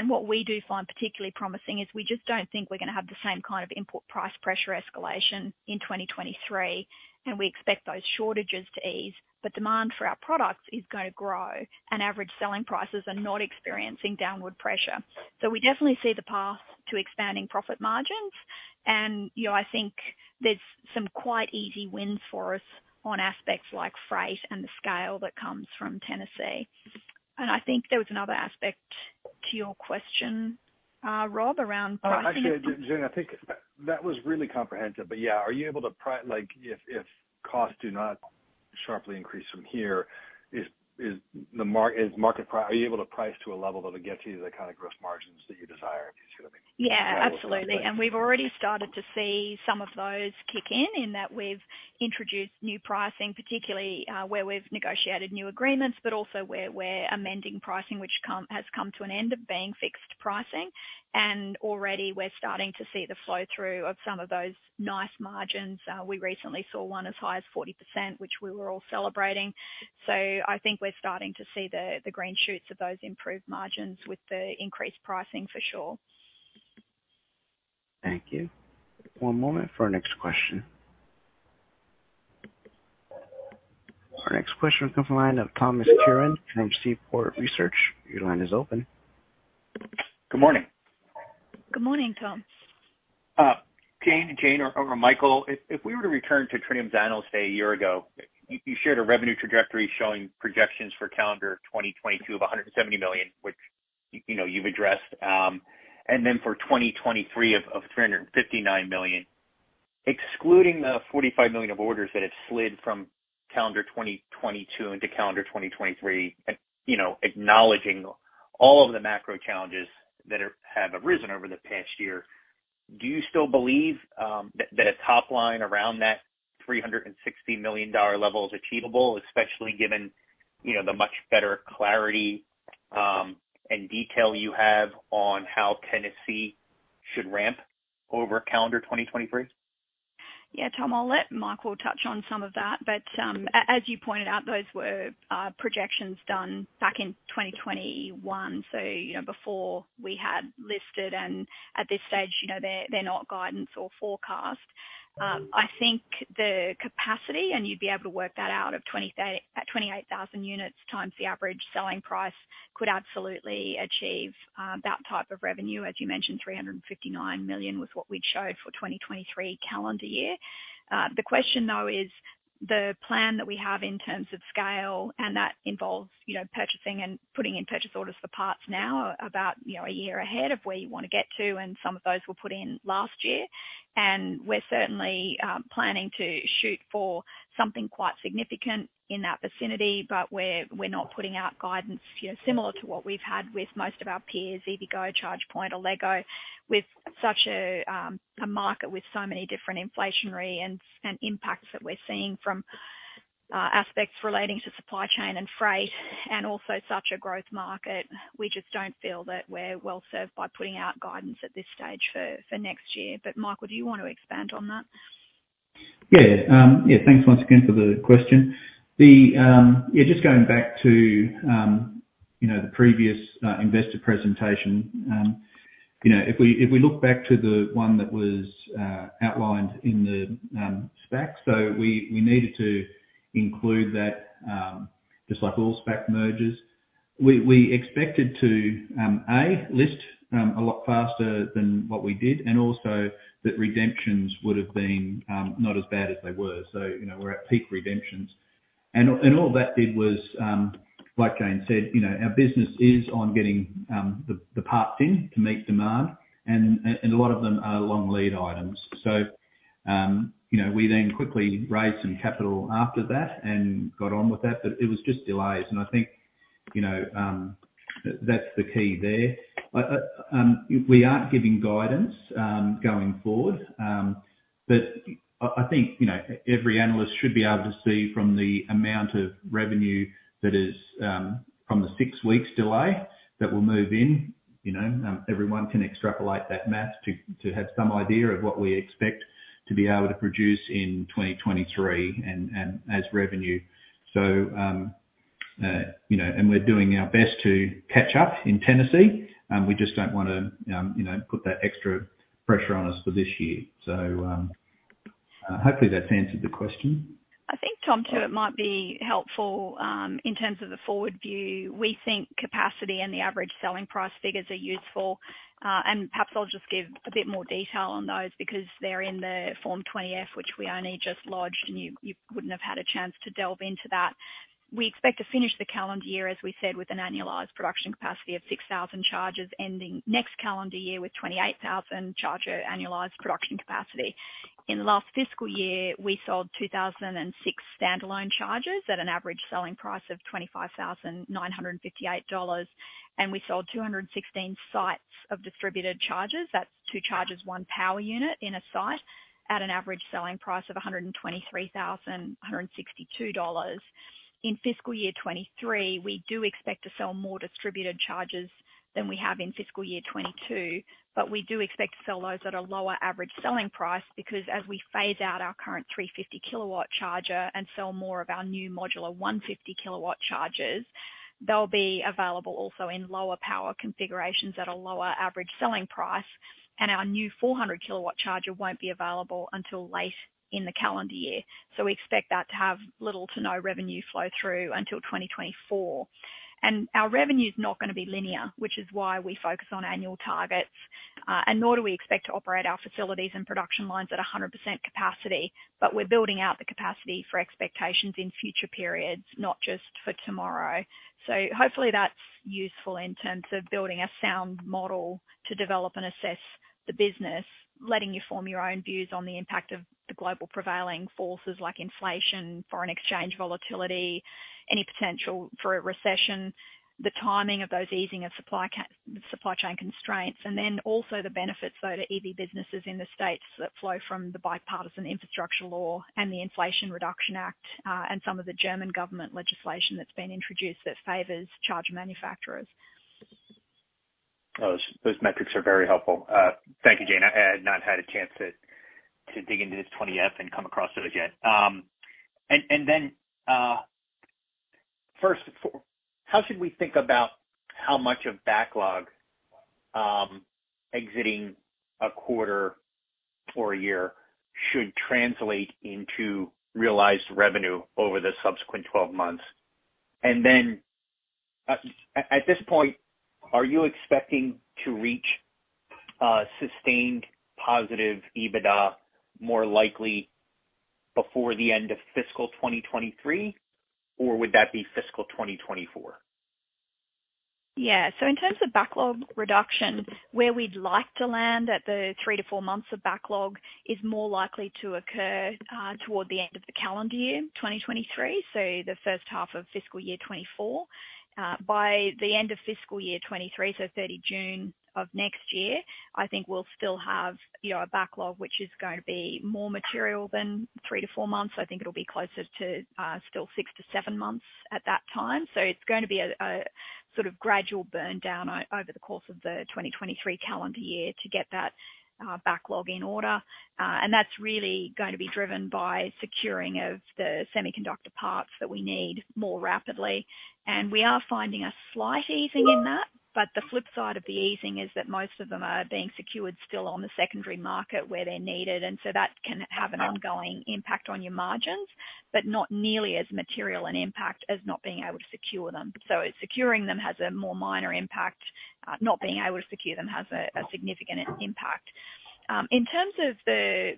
What we do find particularly promising is we just don't think we're gonna have the same kind of import price pressure escalation in 2023, and we expect those shortages to ease. Demand for our products is gonna grow, and average selling prices are not experiencing downward pressure. We definitely see the path to expanding profit margins. You know, I think there's some quite easy wins for us on aspects like freight and the scale that comes from Tennessee. I think there was another aspect to your question, Rob, around pricing. Actually, Jane, I think that was really comprehensive. Yeah. Like, if costs do not sharply increase from here, are you able to price to a level that'll get you to the kind of gross margins that you desire? Do you see what I mean? Yeah, absolutely. We've already started to see some of those kick in that we've introduced new pricing, particularly, where we've negotiated new agreements, but also where we're amending pricing, which has come to an end of being fixed pricing. Already we're starting to see the flow through of some of those nice margins. We recently saw one as high as 40%, which we were all celebrating. I think we're starting to see the green shoots of those improved margins with the increased pricing for sure. Thank you. One moment for our next question. Our next question comes from the line of Thomas Curran from Seaport Research Partners. Your line is open. Good morning. Good morning, Tom. Jane or Michael, if we were to return to Tritium's analyst day a year ago, you shared a revenue trajectory showing projections for calendar 2022 of $170 million, which, you know, you've addressed, and then for 2023 of $359 million. Excluding the $45 million of orders that have slid from calendar 2022 into calendar 2023. You know, acknowledging all of the macro challenges that have arisen over the past year, do you still believe that a top line around that $360 million level is achievable, especially given, you know, the much better clarity and detail you have on how Tennessee should ramp over calendar 2023? Yeah. Tom, I'll let Michael touch on some of that. As you pointed out, those were projections done back in 2021. You know, before we had listed and at this stage, you know, they're not guidance or forecast. I think the capacity and you'd be able to work that out of at 28,000 units times the average selling price could absolutely achieve that type of revenue. As you mentioned, $359 million was what we'd showed for 2023 calendar year. The question, though, is the plan that we have in terms of scale, and that involves, you know, purchasing and putting in purchase orders for parts now about, you know, a year ahead of where you wanna get to. Some of those were put in last year. We're certainly planning to shoot for something quite significant in that vicinity. We're not putting out guidance, you know, similar to what we've had with most of our peers, EVgo, ChargePoint or Wallbox. With such a market with so many different inflationary and impacts that we're seeing from aspects relating to supply chain and freight and also such a growth market, we just don't feel that we're well served by putting out guidance at this stage for next year. Michael, do you want to expand on that? Yeah. Yeah, thanks once again for the question. Yeah, just going back to, you know, the previous investor presentation. You know, if we look back to the one that was outlined in the SPAC. We needed to include that, just like all SPAC mergers. We expected to list a lot faster than what we did, and also that redemptions would have been not as bad as they were. You know, we're at peak redemptions. All that did was, like Jane said, you know, our business is on getting the parts in to meet demand and a lot of them are long lead items. You know, we then quickly raised some capital after that and got on with that. It was just delays. I think, you know, that's the key there. We aren't giving guidance going forward. I think, you know, every analyst should be able to see from the amount of revenue that is from the six weeks delay that will move in. You know, everyone can extrapolate that math to have some idea of what we expect to be able to produce in 2023 and as revenue. You know, we're doing our best to catch up in Tennessee. We just don't want to, you know, put that extra pressure on us for this year. Hopefully that's answered the question. I think, Tom, too, it might be helpful in terms of the forward view. We think capacity and the average selling price figures are useful. Perhaps I'll just give a bit more detail on those because they're in the Form 20-F, which we only just lodged, and you wouldn't have had a chance to delve into that. We expect to finish the calendar year, as we said, with an annualized production capacity of 6,000 chargers ending next calendar year with 28,000 charger annualized production capacity. In last fiscal year, we sold 2,006 standalone chargers at an average selling price of $25,958, and we sold 216 sites of distributed chargers. That's two chargers, one power unit in a site at an average selling price of $123,162. In fiscal year 2023, we do expect to sell more distributed chargers than we have in fiscal year 2022, but we do expect to sell those at a lower average selling price because as we phase out our current 350-kilowatt charger and sell more of our new modular 150-kilowatt chargers, they'll be available also in lower power configurations at a lower average selling price. Our new 400-kilowatt charger won't be available until late in the calendar year. We expect that to have little to no revenue flow through until 2024. Our revenue is not gonna be linear, which is why we focus on annual targets. Nor do we expect to operate our facilities and production lines at 100% capacity, but we're building out the capacity for expectations in future periods, not just for tomorrow. Hopefully that's useful in terms of building a sound model to develop and assess the business, letting you form your own views on the impact of the global prevailing forces like inflation, foreign exchange volatility, any potential for a recession, the timing of those easing of supply chain constraints, and then also the benefits, though, to EV businesses in the States that flow from the Bipartisan Infrastructure Law and the Inflation Reduction Act, and some of the German government legislation that's been introduced that favors charger manufacturers. Those metrics are very helpful. Thank you, Jane. I had not had a chance to dig into this 20-F and come across those yet. How should we think about how much of backlog exiting a quarter for a year should translate into realized revenue over the subsequent 12 months? At this point, are you expecting to reach sustained positive EBITDA more likely before the end of fiscal 2023, or would that be fiscal 2024? Yeah. In terms of backlog reduction, where we'd like to land at the three to four months of backlog is more likely to occur toward the end of the calendar year 2023, so the first half of fiscal year 2024. By the end of fiscal year 2023, so 30 June of next year, I think we'll still have, you know, a backlog which is going to be more material than three to four months. I think it'll be closer to still six to seven months at that time. It's going to be a sort of gradual burn down over the course of the 2023 calendar year to get that backlog in order. That's really going to be driven by securing of the semiconductor parts that we need more rapidly. We are finding a slight easing in that. The flip side of the easing is that most of them are being secured still on the secondary market where they're needed, and so that can have an ongoing impact on your margins, but not nearly as material an impact as not being able to secure them. Securing them has a more minor impact. Not being able to secure them has a significant impact. In terms of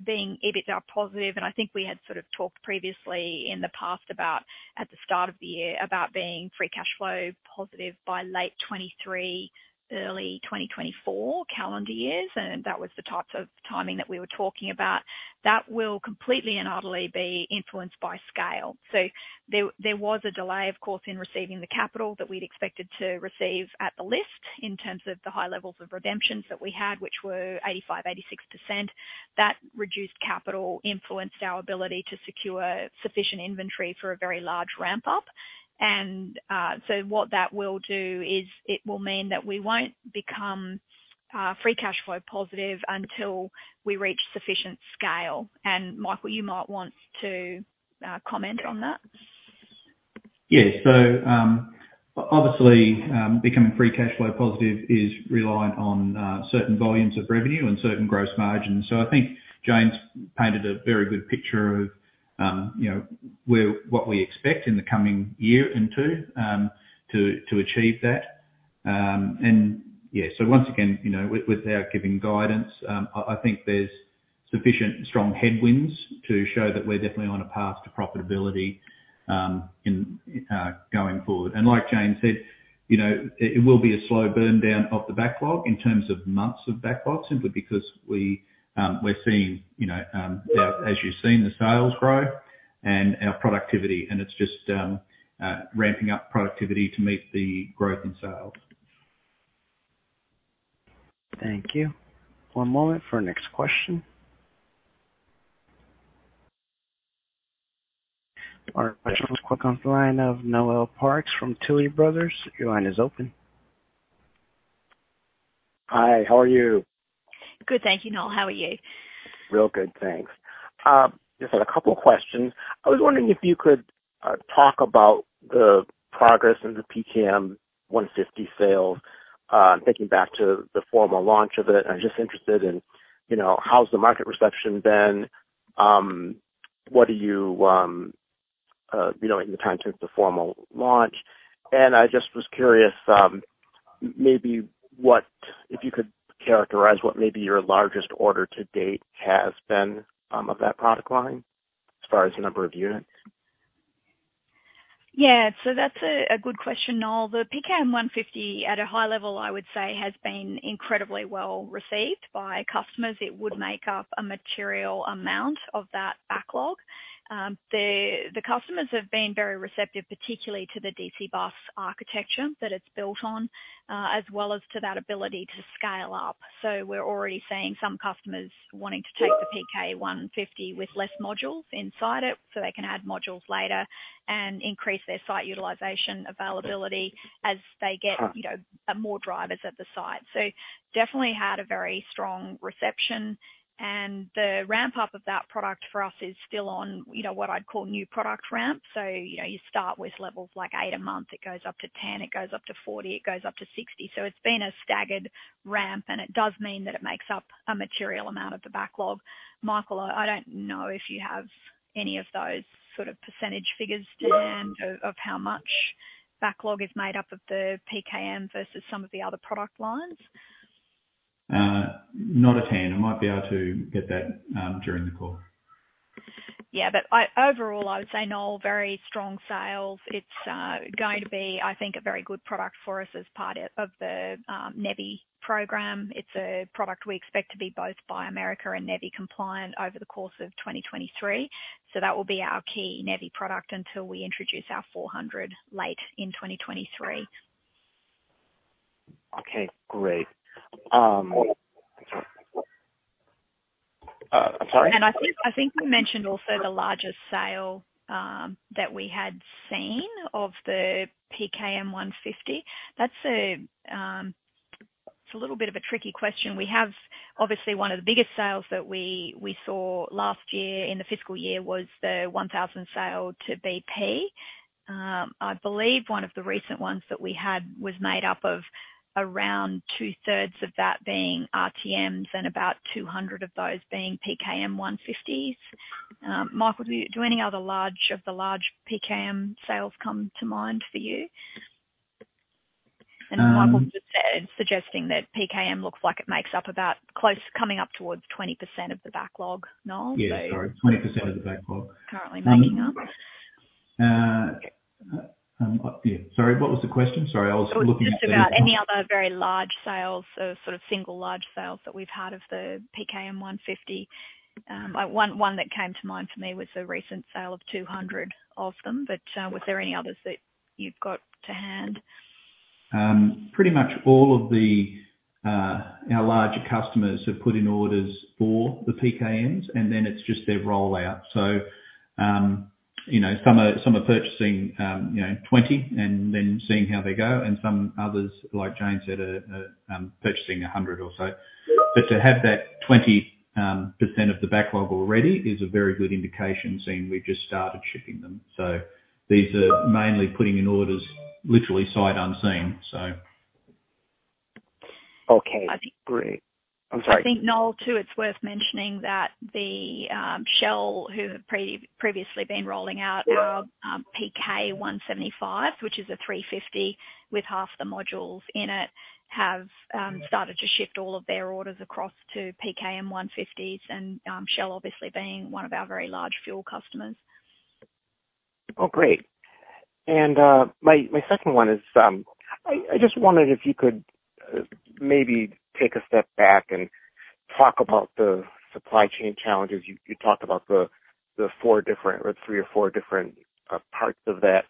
being EBITDA positive, I think we had sort of talked previously in the past about at the start of the year about being free cash flow positive by late 2023, early 2024 calendar years, and that was the types of timing that we were talking about. That will completely and utterly be influenced by scale. There was a delay, of course, in receiving the capital that we'd expected to receive at the listing in terms of the high levels of redemptions that we had, which were 85%-86%. That reduced capital influenced our ability to secure sufficient inventory for a very large ramp-up. What that will do is it will mean that we won't become free cash flow positive until we reach sufficient scale. Michael, you might want to comment on that. Yeah. Obviously, becoming free cash flow positive is reliant on certain volumes of revenue and certain gross margins. I think James painted a very good picture of you know, what we expect in the coming year and two to achieve that. Once again, you know, without giving guidance, I think there's sufficiently strong tailwinds to show that we're definitely on a path to profitability in going forward. Like James said, you know, it will be a slow burn down of the backlog in terms of months of backlog, simply because we're seeing you know, as you've seen the sales grow and our productivity and it's just ramping up productivity to meet the growth in sales. Thank you. One moment for our next question. Our next question comes on the line of Noel Parks from Tuohy Brothers. Your line is open. Hi, how are you? Good, thank you, Noel. How are you? Really good, thanks. Just had a couple questions. I was wondering if you could talk about the progress in the PKM150 sales. Thinking back to the formal launch of it, I'm just interested in, you know, how's the market reception been? What do you know, in the context of formal launch? I just was curious, maybe if you could characterize what maybe your largest order to date has been, of that product line as far as the number of units. Yeah. That's a good question, Noel. The PKM-150, at a high level, I would say, has been incredibly well received by customers. It would make up a material amount of that backlog. The customers have been very receptive, particularly to the DC bus architecture that it's built on, as well as to that ability to scale up. We're already seeing some customers wanting to take the PK 150 with less modules inside it so they can add modules later and increase their site utilization availability as they get. Sure. You know, more drivers at the site. Definitely had a very strong reception. The ramp up of that product for us is still on, you know, what I'd call new product ramp. You know, you start with levels like eight a month, it goes up to 10, it goes up to 40, it goes up to 60. It's been a staggered ramp, and it does mean that it makes up a material amount of the backlog. Michael, I don't know if you have any of those sort of percentage figures to hand of how much backlog is made up of the PKM versus some of the other product lines. Not at hand. I might be able to get that during the call. Yeah. Overall, I would say, Noel, very strong sales. It's going to be, I think, a very good product for us as part of the NEVI program. It's a product we expect to be both Buy America and NEVI compliant over the course of 2023. That will be our key NEVI product until we introduce our 400 late in 2023. Okay, great. Sorry? I think we mentioned also the largest sale that we had seen of the PKM150. That's a little bit of a tricky question. We have obviously one of the biggest sales that we saw last year in the fiscal year was the 1,000 sale to BP. I believe one of the recent ones that we had was made up of around two-thirds of that being RTMs and about 200 of those being PKM150s. Michael, do any other large PKM sales come to mind for you? Michael just said, suggesting that PKM looks like it makes up about close to coming up towards 20% of the backlog, Noel. Yeah, sorry. 20% of the backlog. Currently making up. Yeah, sorry, what was the question? Sorry, I was looking at the Just about any other very large sales or sort of single large sales that we've had of the PKM-150. One that came to mind for me was the recent sale of 200 of them. Was there any others that you've got to hand? Pretty much all of our larger customers have put in orders for the PKMs, and then it's just their rollout. You know, some are purchasing 20 and then seeing how they go and some others, like Jane said, are purchasing 100 or so. But to have that 20% of the backlog already is a very good indication, seeing we've just started shipping them. These are mainly putting in orders literally sight unseen. Okay. I think Great. I'm sorry. I think, Noel, too, it's worth mentioning that the Shell, who have previously been rolling out our Veefil-PK 175, which is a 350 with half the modules in it, have started to shift all of their orders across to PKM 150s and Shell obviously being one of our very large fuel customers. Oh, great. My second one is, I just wondered if you could maybe take a step back and talk about the supply chain challenges. You talked about the four different or three or four different parts of that.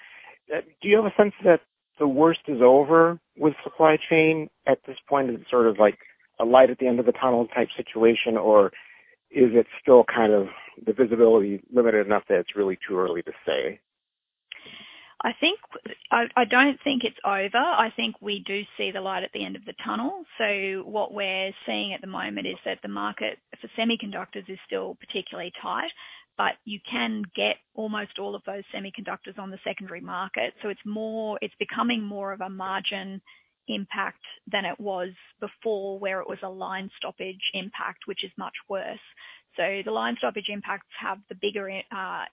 Do you have a sense that the worst is over with supply chain at this point? Is it sort of like a light at the end of the tunnel type situation? Or is it still kind of the visibility limited enough that it's really too early to say? I don't think it's over. I think we do see the light at the end of the tunnel. What we're seeing at the moment is that the market for semiconductors is still particularly tight. You can get almost all of those semiconductors on the secondary market. It's becoming more of a margin impact than it was before, where it was a line stoppage impact, which is much worse. The line stoppage impacts have the bigger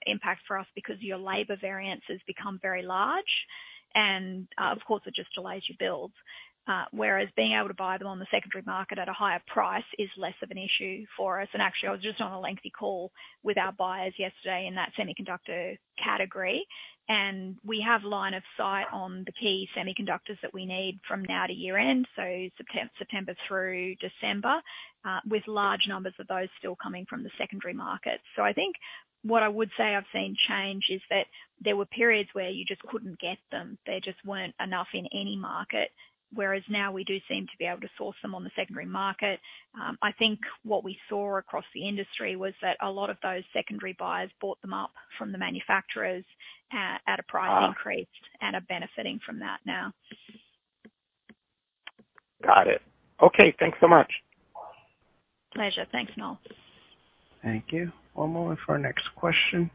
impact for us because our labor variance has become very large and, of course, it just delays your builds. Whereas being able to buy them on the secondary market at a higher price is less of an issue for us. Actually, I was just on a lengthy call with our buyers yesterday in that semiconductor category, and we have line of sight on the key semiconductors that we need from now to year-end, so September through December, with large numbers of those still coming from the secondary market. I think what I would say I've seen change is that there were periods where you just couldn't get them. There just weren't enough in any market, whereas now we do seem to be able to source them on the secondary market. I think what we saw across the industry was that a lot of those secondary buyers bought them up from the manufacturers at a price increase and are benefiting from that now. Got it. Okay, thanks so much. Pleasure. Thanks, Noel. Thank you. One moment for our next question.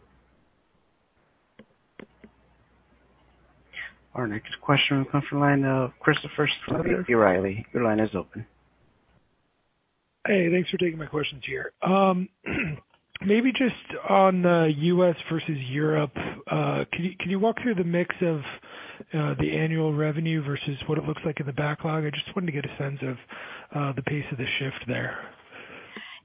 Our next question will come from the line of Christopher Souther, B. Riley, your line is open. Hey, thanks for taking my questions here. Maybe just on the U.S. versus Europe, can you walk through the mix of the annual revenue versus what it looks like in the backlog? I just wanted to get a sense of the pace of the shift there.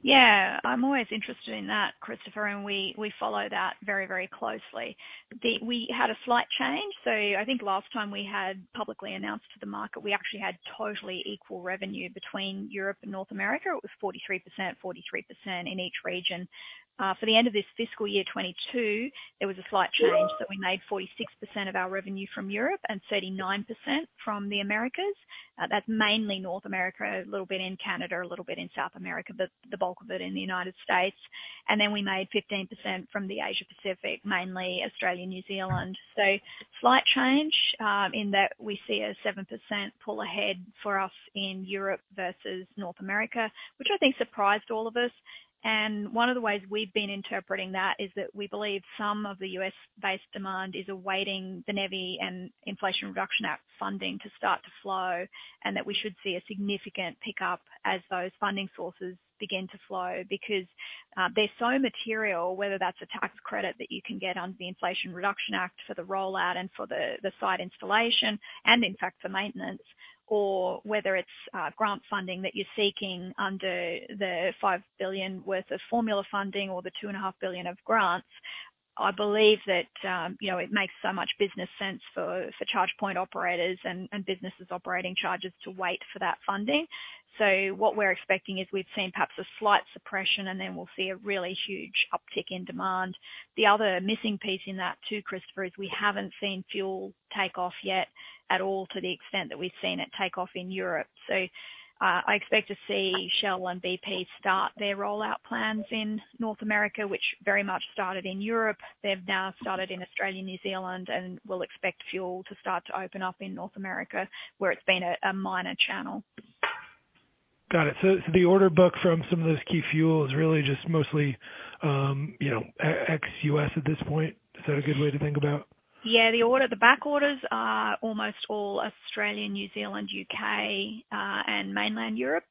Yeah, I'm always interested in that, Christopher, and we follow that very, very closely. We had a slight change. I think last time we had publicly announced to the market we actually had totally equal revenue between Europe and North America. It was 43%, 43% in each region. For the end of this fiscal year 2022, there was a slight change that we made 46% of our revenue from Europe and 39% from the Americas. That's mainly North America, a little bit in Canada, a little bit in South America, but the bulk of it in the United States. And then we made 15% from the Asia Pacific, mainly Australia, New Zealand. Slight change in that we see a 7% pull ahead for us in Europe versus North America, which I think surprised all of us. One of the ways we've been interpreting that is that we believe some of the U.S.-based demand is awaiting the NEVI and Inflation Reduction Act funding to start to flow, and that we should see a significant pickup as those funding sources begin to flow. Because they're so material, whether that's a tax credit that you can get under the Inflation Reduction Act for the rollout and for the site installation and in fact for maintenance, or whether it's grant funding that you're seeking under the $5 billion worth of formula funding or the $2.5 billion of grants. I believe that, you know, it makes so much business sense for charge point operators and businesses operating chargers to wait for that funding. What we're expecting is we've seen perhaps a slight suppression, and then we'll see a really huge uptick in demand. The other missing piece in that too, Christopher, is we haven't seen fuel take off yet at all to the extent that we've seen it take off in Europe. I expect to see Shell and BP start their rollout plans in North America, which very much started in Europe. They've now started in Australia, New Zealand, and will expect fuel to start to open up in North America where it's been a minor channel. Got it. The order book from some of those key fuels is really just mostly, you know, ex-US at this point. Is that a good way to think about? Yeah, the order, the back orders are almost all Australia, New Zealand, UK, and mainland Europe,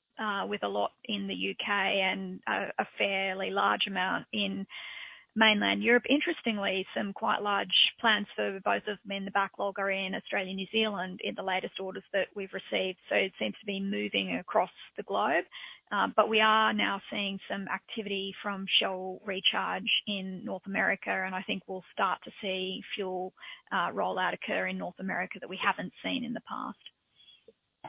with a lot in the UK and a fairly large amount in mainland Europe. Interestingly, some quite large plans for both of them in the backlog are in Australia, New Zealand in the latest orders that we've received. It seems to be moving across the globe. We are now seeing some activity from Shell Recharge in North America, and I think we'll start to see full rollout occur in North America that we haven't seen in the past.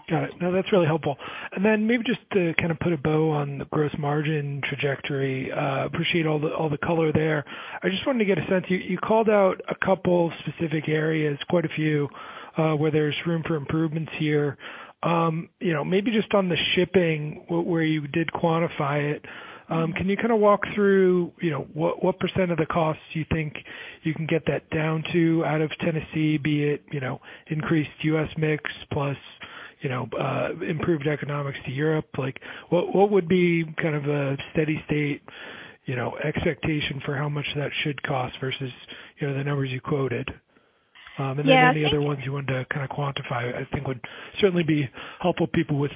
Got it. No, that's really helpful. Maybe just to kind of put a bow on the gross margin trajectory, appreciate all the color there. I just wanted to get a sense. You called out a couple specific areas, quite a few, where there's room for improvements here. You know, maybe just on the shipping where you did quantify it, can you kind of walk through, you know, what percent of the costs you think you can get that down to out of Tennessee, be it, you know, increased US mix plus, you know, improved economics to Europe? Like, what would be kind of a steady state, you know, expectation for how much that should cost versus, you know, the numbers you quoted? Any other ones you wanted to kind of quantify, I think, would certainly be helpful people with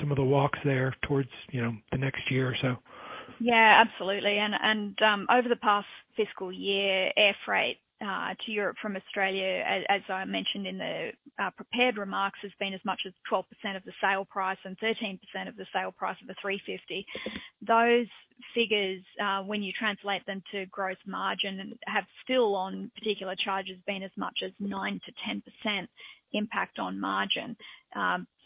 some of the walks there towards, you know, the next year or so. Yeah, absolutely. Over the past fiscal year, air freight to Europe from Australia, as I mentioned in the prepared remarks, has been as much as 12% of the sale price and 13% of the sale price of the 350. Those figures, when you translate them to gross margin, have still on particular charges, been as much as 9%-10% impact on margin.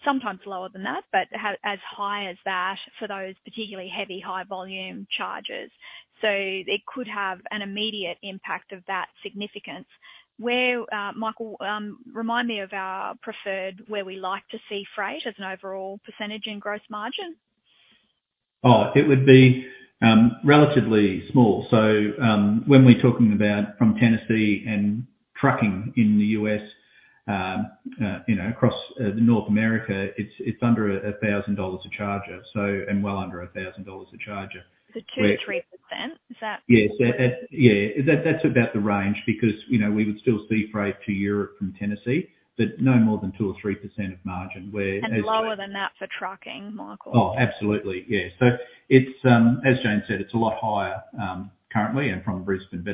Sometimes lower than that, but as high as that for those particularly heavy high-volume charges. It could have an immediate impact of that significance. Michael, remind me of our preferred, where we like to see freight as an overall percentage in gross margin. It would be relatively small. When we're talking about from Tennessee and trucking in the U.S., you know, across North America, it's under $1,000 a charger, and well under $1,000 a charger. The 2%-3%, is that- Yes. That's about the range because, you know, we would still sea freight to Europe from Tennessee, but no more than 2%-3% of margin where- Lower than that for trucking, Michael. Oh, absolutely. Yeah. It's, as Jane said, it's a lot higher currently and from Brisbane.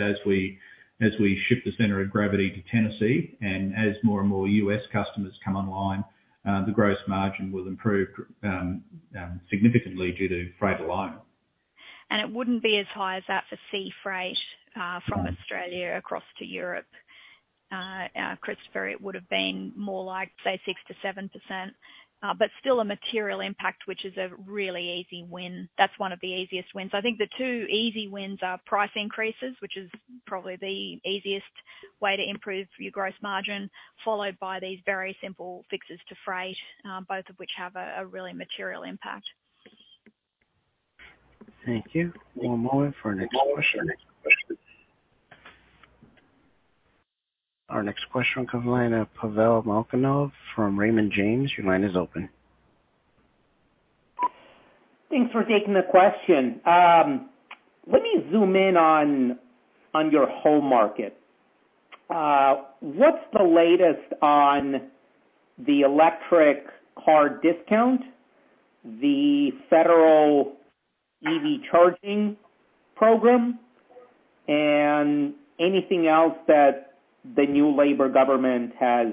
As we shift the center of gravity to Tennessee and as more and more U.S. customers come online, the gross margin will improve significantly due to freight alone. It wouldn't be as high as that for sea freight. No. from Australia across to Europe, Christopher. It would have been more like, say, 6%-7%, but still a material impact, which is a really easy win. That's one of the easiest wins. I think the two easy wins are price increases, which is probably the easiest way to improve your gross margin, followed by these very simple fixes to freight, both of which have a really material impact. Thank you. One moment for our next question. Our next question comes on the line of Pavel Molchanov from Raymond James. Your line is open. Thanks for taking the question. Let me zoom in on your home market. What's the latest on the electric car discount, the federal EV charging program, and anything else that the new Labor government has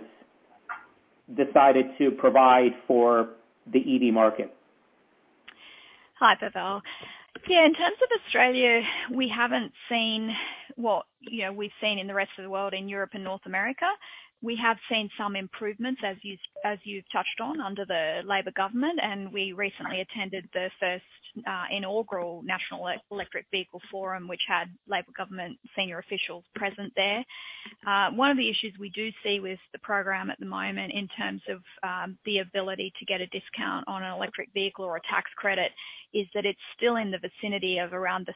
decided to provide for the EV market? Hi, Pavel. Yeah, in terms of Australia, we haven't seen what we've seen in the rest of the world, in Europe and North America. We have seen some improvements, as you've touched on under the Labor government, and we recently attended the first inaugural National Electric Vehicle Summit, which had Labor government senior officials present there. One of the issues we do see with the program at the moment in terms of the ability to get a discount on an electric vehicle or a tax credit is that it's still in the vicinity of around the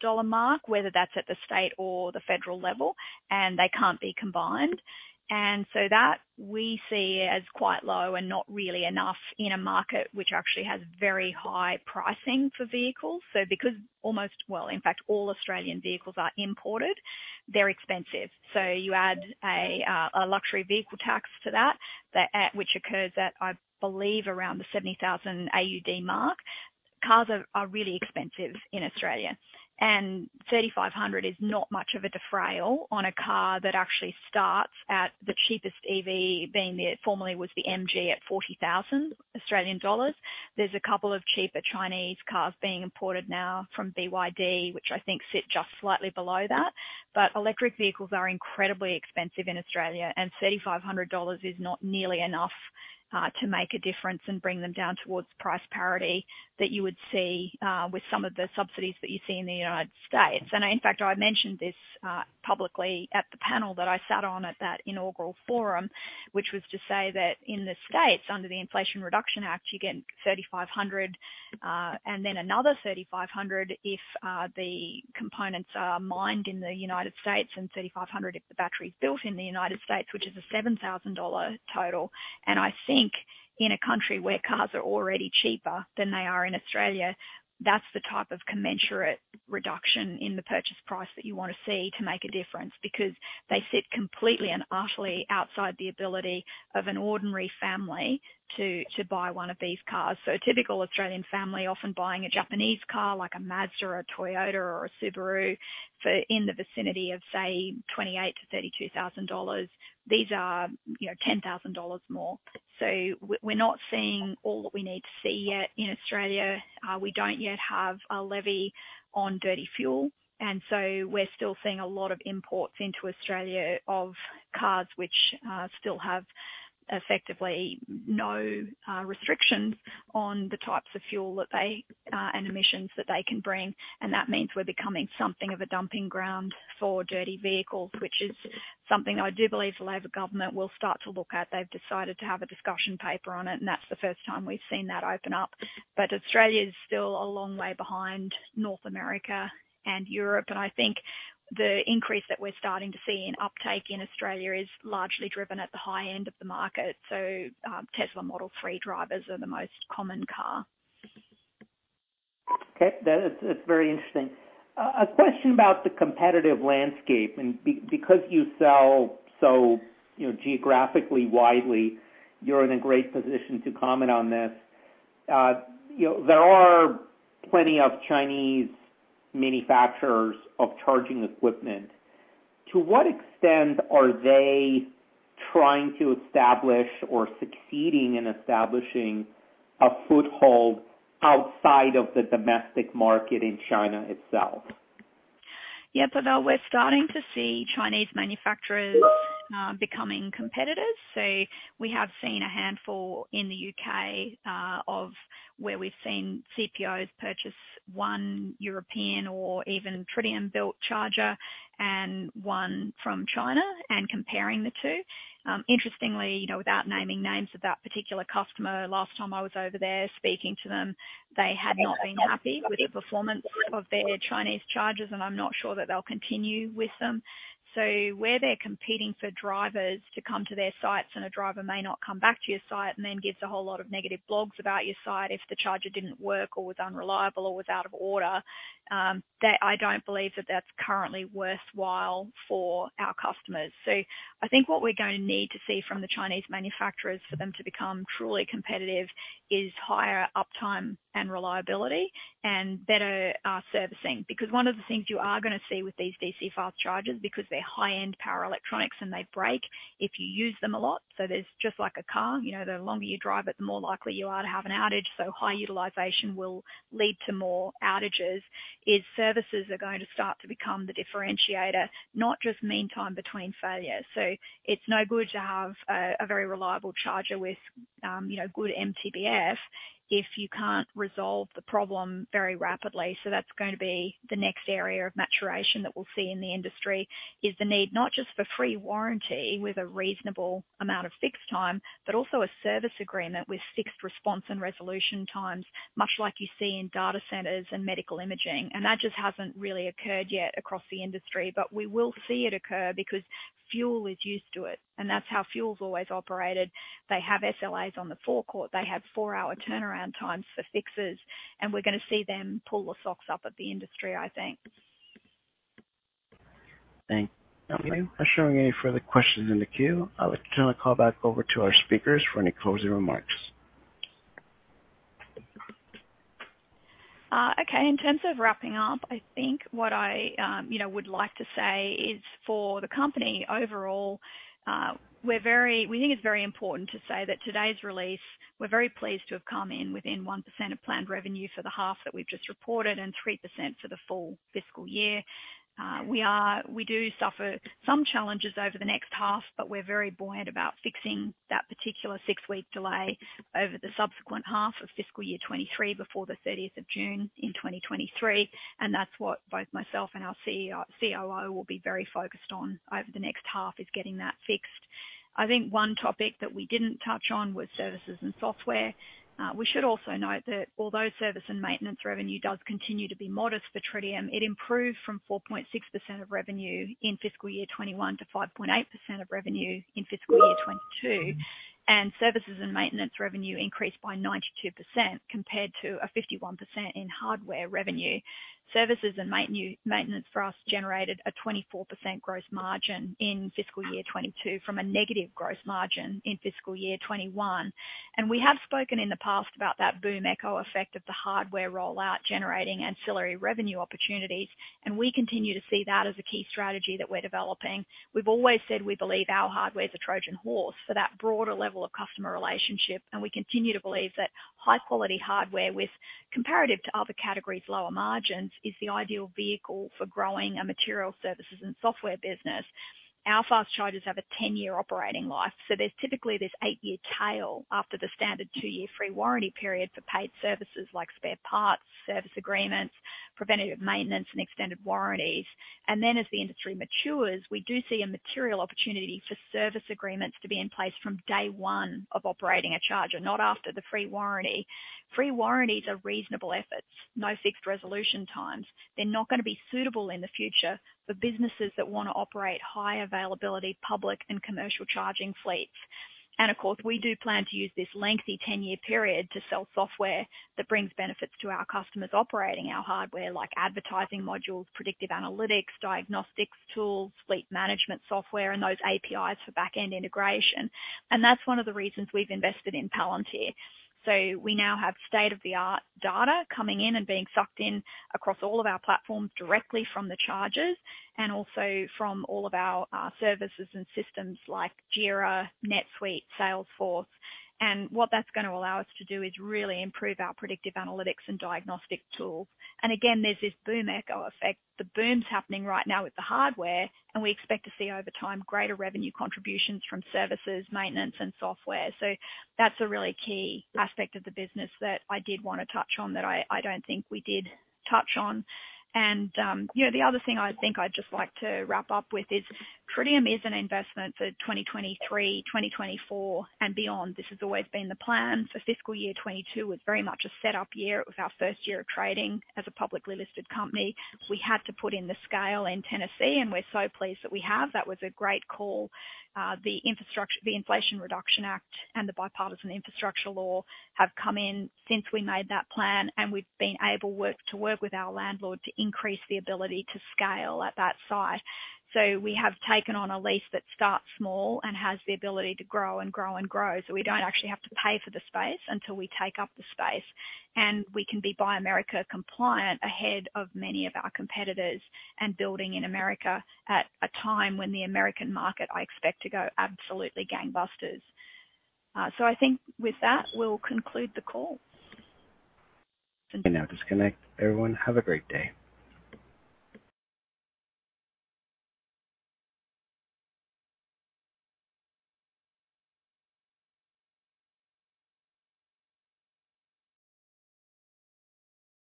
3,500 dollar mark, whether that's at the state or the federal level, and they can't be combined. That we see as quite low and not really enough in a market which actually has very high pricing for vehicles. Because in fact all Australian vehicles are imported, they're expensive. You add a luxury vehicle tax to that, which occurs at, I believe, around the 70,000 AUD mark. Cars are really expensive in Australia, and 3,500 AUD is not much of a defrayal on a car that actually starts at the cheapest EV, being the formerly was the MG at 40,000 Australian dollars. There's a couple of cheaper Chinese cars being imported now from BYD, which I think sit just slightly below that. Electric vehicles are incredibly expensive in Australia, and 3,500 dollars is not nearly enough to make a difference and bring them down towards price parity that you would see with some of the subsidies that you see in the United States. In fact, I mentioned this publicly at the panel that I sat on at that inaugural forum, which was to say that in the States, under the Inflation Reduction Act, you get $3,500, and then another $3,500 if the components are mined in the United States and $3,500 if the battery's built in the United States, which is a $7,000 total. I think in a country where cars are already cheaper than they are in Australia, that's the type of commensurate reduction in the purchase price that you wanna see to make a difference. Because they sit completely and utterly outside the ability of an ordinary family to buy one of these cars. A typical Australian family often buying a Japanese car like a Mazda or a Toyota or a Subaru for in the vicinity of, say, 28,000-32,000 dollars. These are, you know, 10,000 dollars more. We're not seeing all that we need to see yet in Australia. We don't yet have a levy on dirty fuel, and so we're still seeing a lot of imports into Australia of cars which still have effectively no restrictions on the types of fuel that they and emissions that they can bring. That means we're becoming something of a dumping ground for dirty vehicles, which is something I do believe the Labor government will start to look at. They've decided to have a discussion paper on it, and that's the first time we've seen that open up. Australia's still a long way behind North America and Europe, and I think the increase that we're starting to see in uptake in Australia is largely driven at the high end of the market. Tesla Model 3 drivers are the most common car. Okay. That's very interesting. A question about the competitive landscape. Because you sell so, you know, geographically widely, you're in a great position to comment on this. You know, there are plenty of Chinese manufacturers of charging equipment. To what extent are they trying to establish or succeeding in establishing a foothold outside of the domestic market in China itself? Yeah, Pavel, we're starting to see Chinese manufacturers becoming competitors. We have seen a handful in the U.K. of where we've seen CPOs purchase one European or even Tritium-built charger and one from China, and comparing the two. Interestingly, you know, without naming names of that particular customer, last time I was over there speaking to them, they had not been happy with the performance of their Chinese chargers, and I'm not sure that they'll continue with them. Where they're competing for drivers to come to their sites, and a driver may not come back to your site and then gives a whole lot of negative blogs about your site if the charger didn't work or was unreliable or was out of order, that I don't believe that that's currently worthwhile for our customers. I think what we're gonna need to see from the Chinese manufacturers for them to become truly competitive is higher uptime and reliability and better servicing. Because one of the things you are gonna see with these DC fast chargers, because they're high-end power electronics and they break if you use them a lot. There's just like a car, you know, the longer you drive it, the more likely you are to have an outage. High utilization will lead to more outages as services are going to start to become the differentiator, not just mean time between failures. It's no good to have a very reliable charger with good MTBF if you can't resolve the problem very rapidly. That's gonna be the next area of maturation that we'll see in the industry, is the need not just for free warranty with a reasonable amount of fixed time, but also a service agreement with fixed response and resolution times, much like you see in data centers and medical imaging. That just hasn't really occurred yet across the industry. We will see it occur because fuel is used to it, and that's how fuel's always operated. They have SLAs on the forecourt, they have four-hour turnaround times for fixes, and we're gonna see them pull the socks up in the industry, I think. Thank you. I'm not showing any further questions in the queue. I would turn the call back over to our speakers for any closing remarks. Okay. In terms of wrapping up, I think what I, you know, would like to say is for the company overall, we think it's very important to say that today's release, we're very pleased to have come in within 1% of planned revenue for the half that we've just reported and 3% for the full fiscal year. We do suffer some challenges over the next half, but we're very buoyant about fixing that particular six-week delay over the subsequent half of fiscal year 2023 before the thirtieth of June in 2023. That's what both myself and our CEO, COO will be very focused on over the next half, is getting that fixed. I think one topic that we didn't touch on was services and software. We should also note that although service and maintenance revenue does continue to be modest for Tritium, it improved from 4.6% of revenue in fiscal year 2021 to 5.8% of revenue in fiscal year 2022, and services and maintenance revenue increased by 92% compared to a 51% in hardware revenue. Services and maintenance for us generated a 24% gross margin in fiscal year 2022 from a negative gross margin in fiscal year 2021. We have spoken in the past about that boom echo effect of the hardware rollout generating ancillary revenue opportunities, and we continue to see that as a key strategy that we're developing. We've always said we believe our hardware is a Trojan horse for that broader level of customer relationship, and we continue to believe that high-quality hardware with comparative to other categories, lower margins, is the ideal vehicle for growing a material services and software business. Our fast chargers have a 10-year operating life, so there's typically this eight year tail after the standard two year free warranty period for paid services like spare parts, service agreements, preventative maintenance and extended warranties. As the industry matures, we do see a material opportunity for service agreements to be in place from day one of operating a charger, not after the free warranty. Free warranties are reasonable efforts, no fixed resolution times. They're not gonna be suitable in the future for businesses that wanna operate high availability public and commercial charging fleets. Of course, we do plan to use this lengthy ten-year period to sell software that brings benefits to our customers operating our hardware like advertising modules, predictive analytics, diagnostics tools, fleet management software, and those APIs for back-end integration. That's one of the reasons we've invested in Palantir. We now have state-of-the-art data coming in and being sucked in across all of our platforms directly from the chargers and also from all of our services and systems like Jira, NetSuite, Salesforce. What that's gonna allow us to do is really improve our predictive analytics and diagnostic tools. Again, there's this boom echo effect. The boom's happening right now with the hardware, and we expect to see over time, greater revenue contributions from services, maintenance and software. That's a really key aspect of the business that I did wanna touch on that I don't think we did touch on. You know, the other thing I think I'd just like to wrap up with is Tritium is an investment for 2023, 2024 and beyond. This has always been the plan. Fiscal year 2022 was very much a set-up year. It was our first year of trading as a publicly listed company. We had to put in the scale in Tennessee, and we're so pleased that we have. That was a great call. The Inflation Reduction Act and the Bipartisan Infrastructure Law have come in since we made that plan, and we've been able to work with our landlord to increase the ability to scale at that site. We have taken on a lease that starts small and has the ability to grow and grow and grow, so we don't actually have to pay for the space until we take up the space. We can be Buy America compliant ahead of many of our competitors and building in America at a time when the American market, I expect to go absolutely gangbusters. I think with that, we'll conclude the call. You may now disconnect. Everyone, have a great day.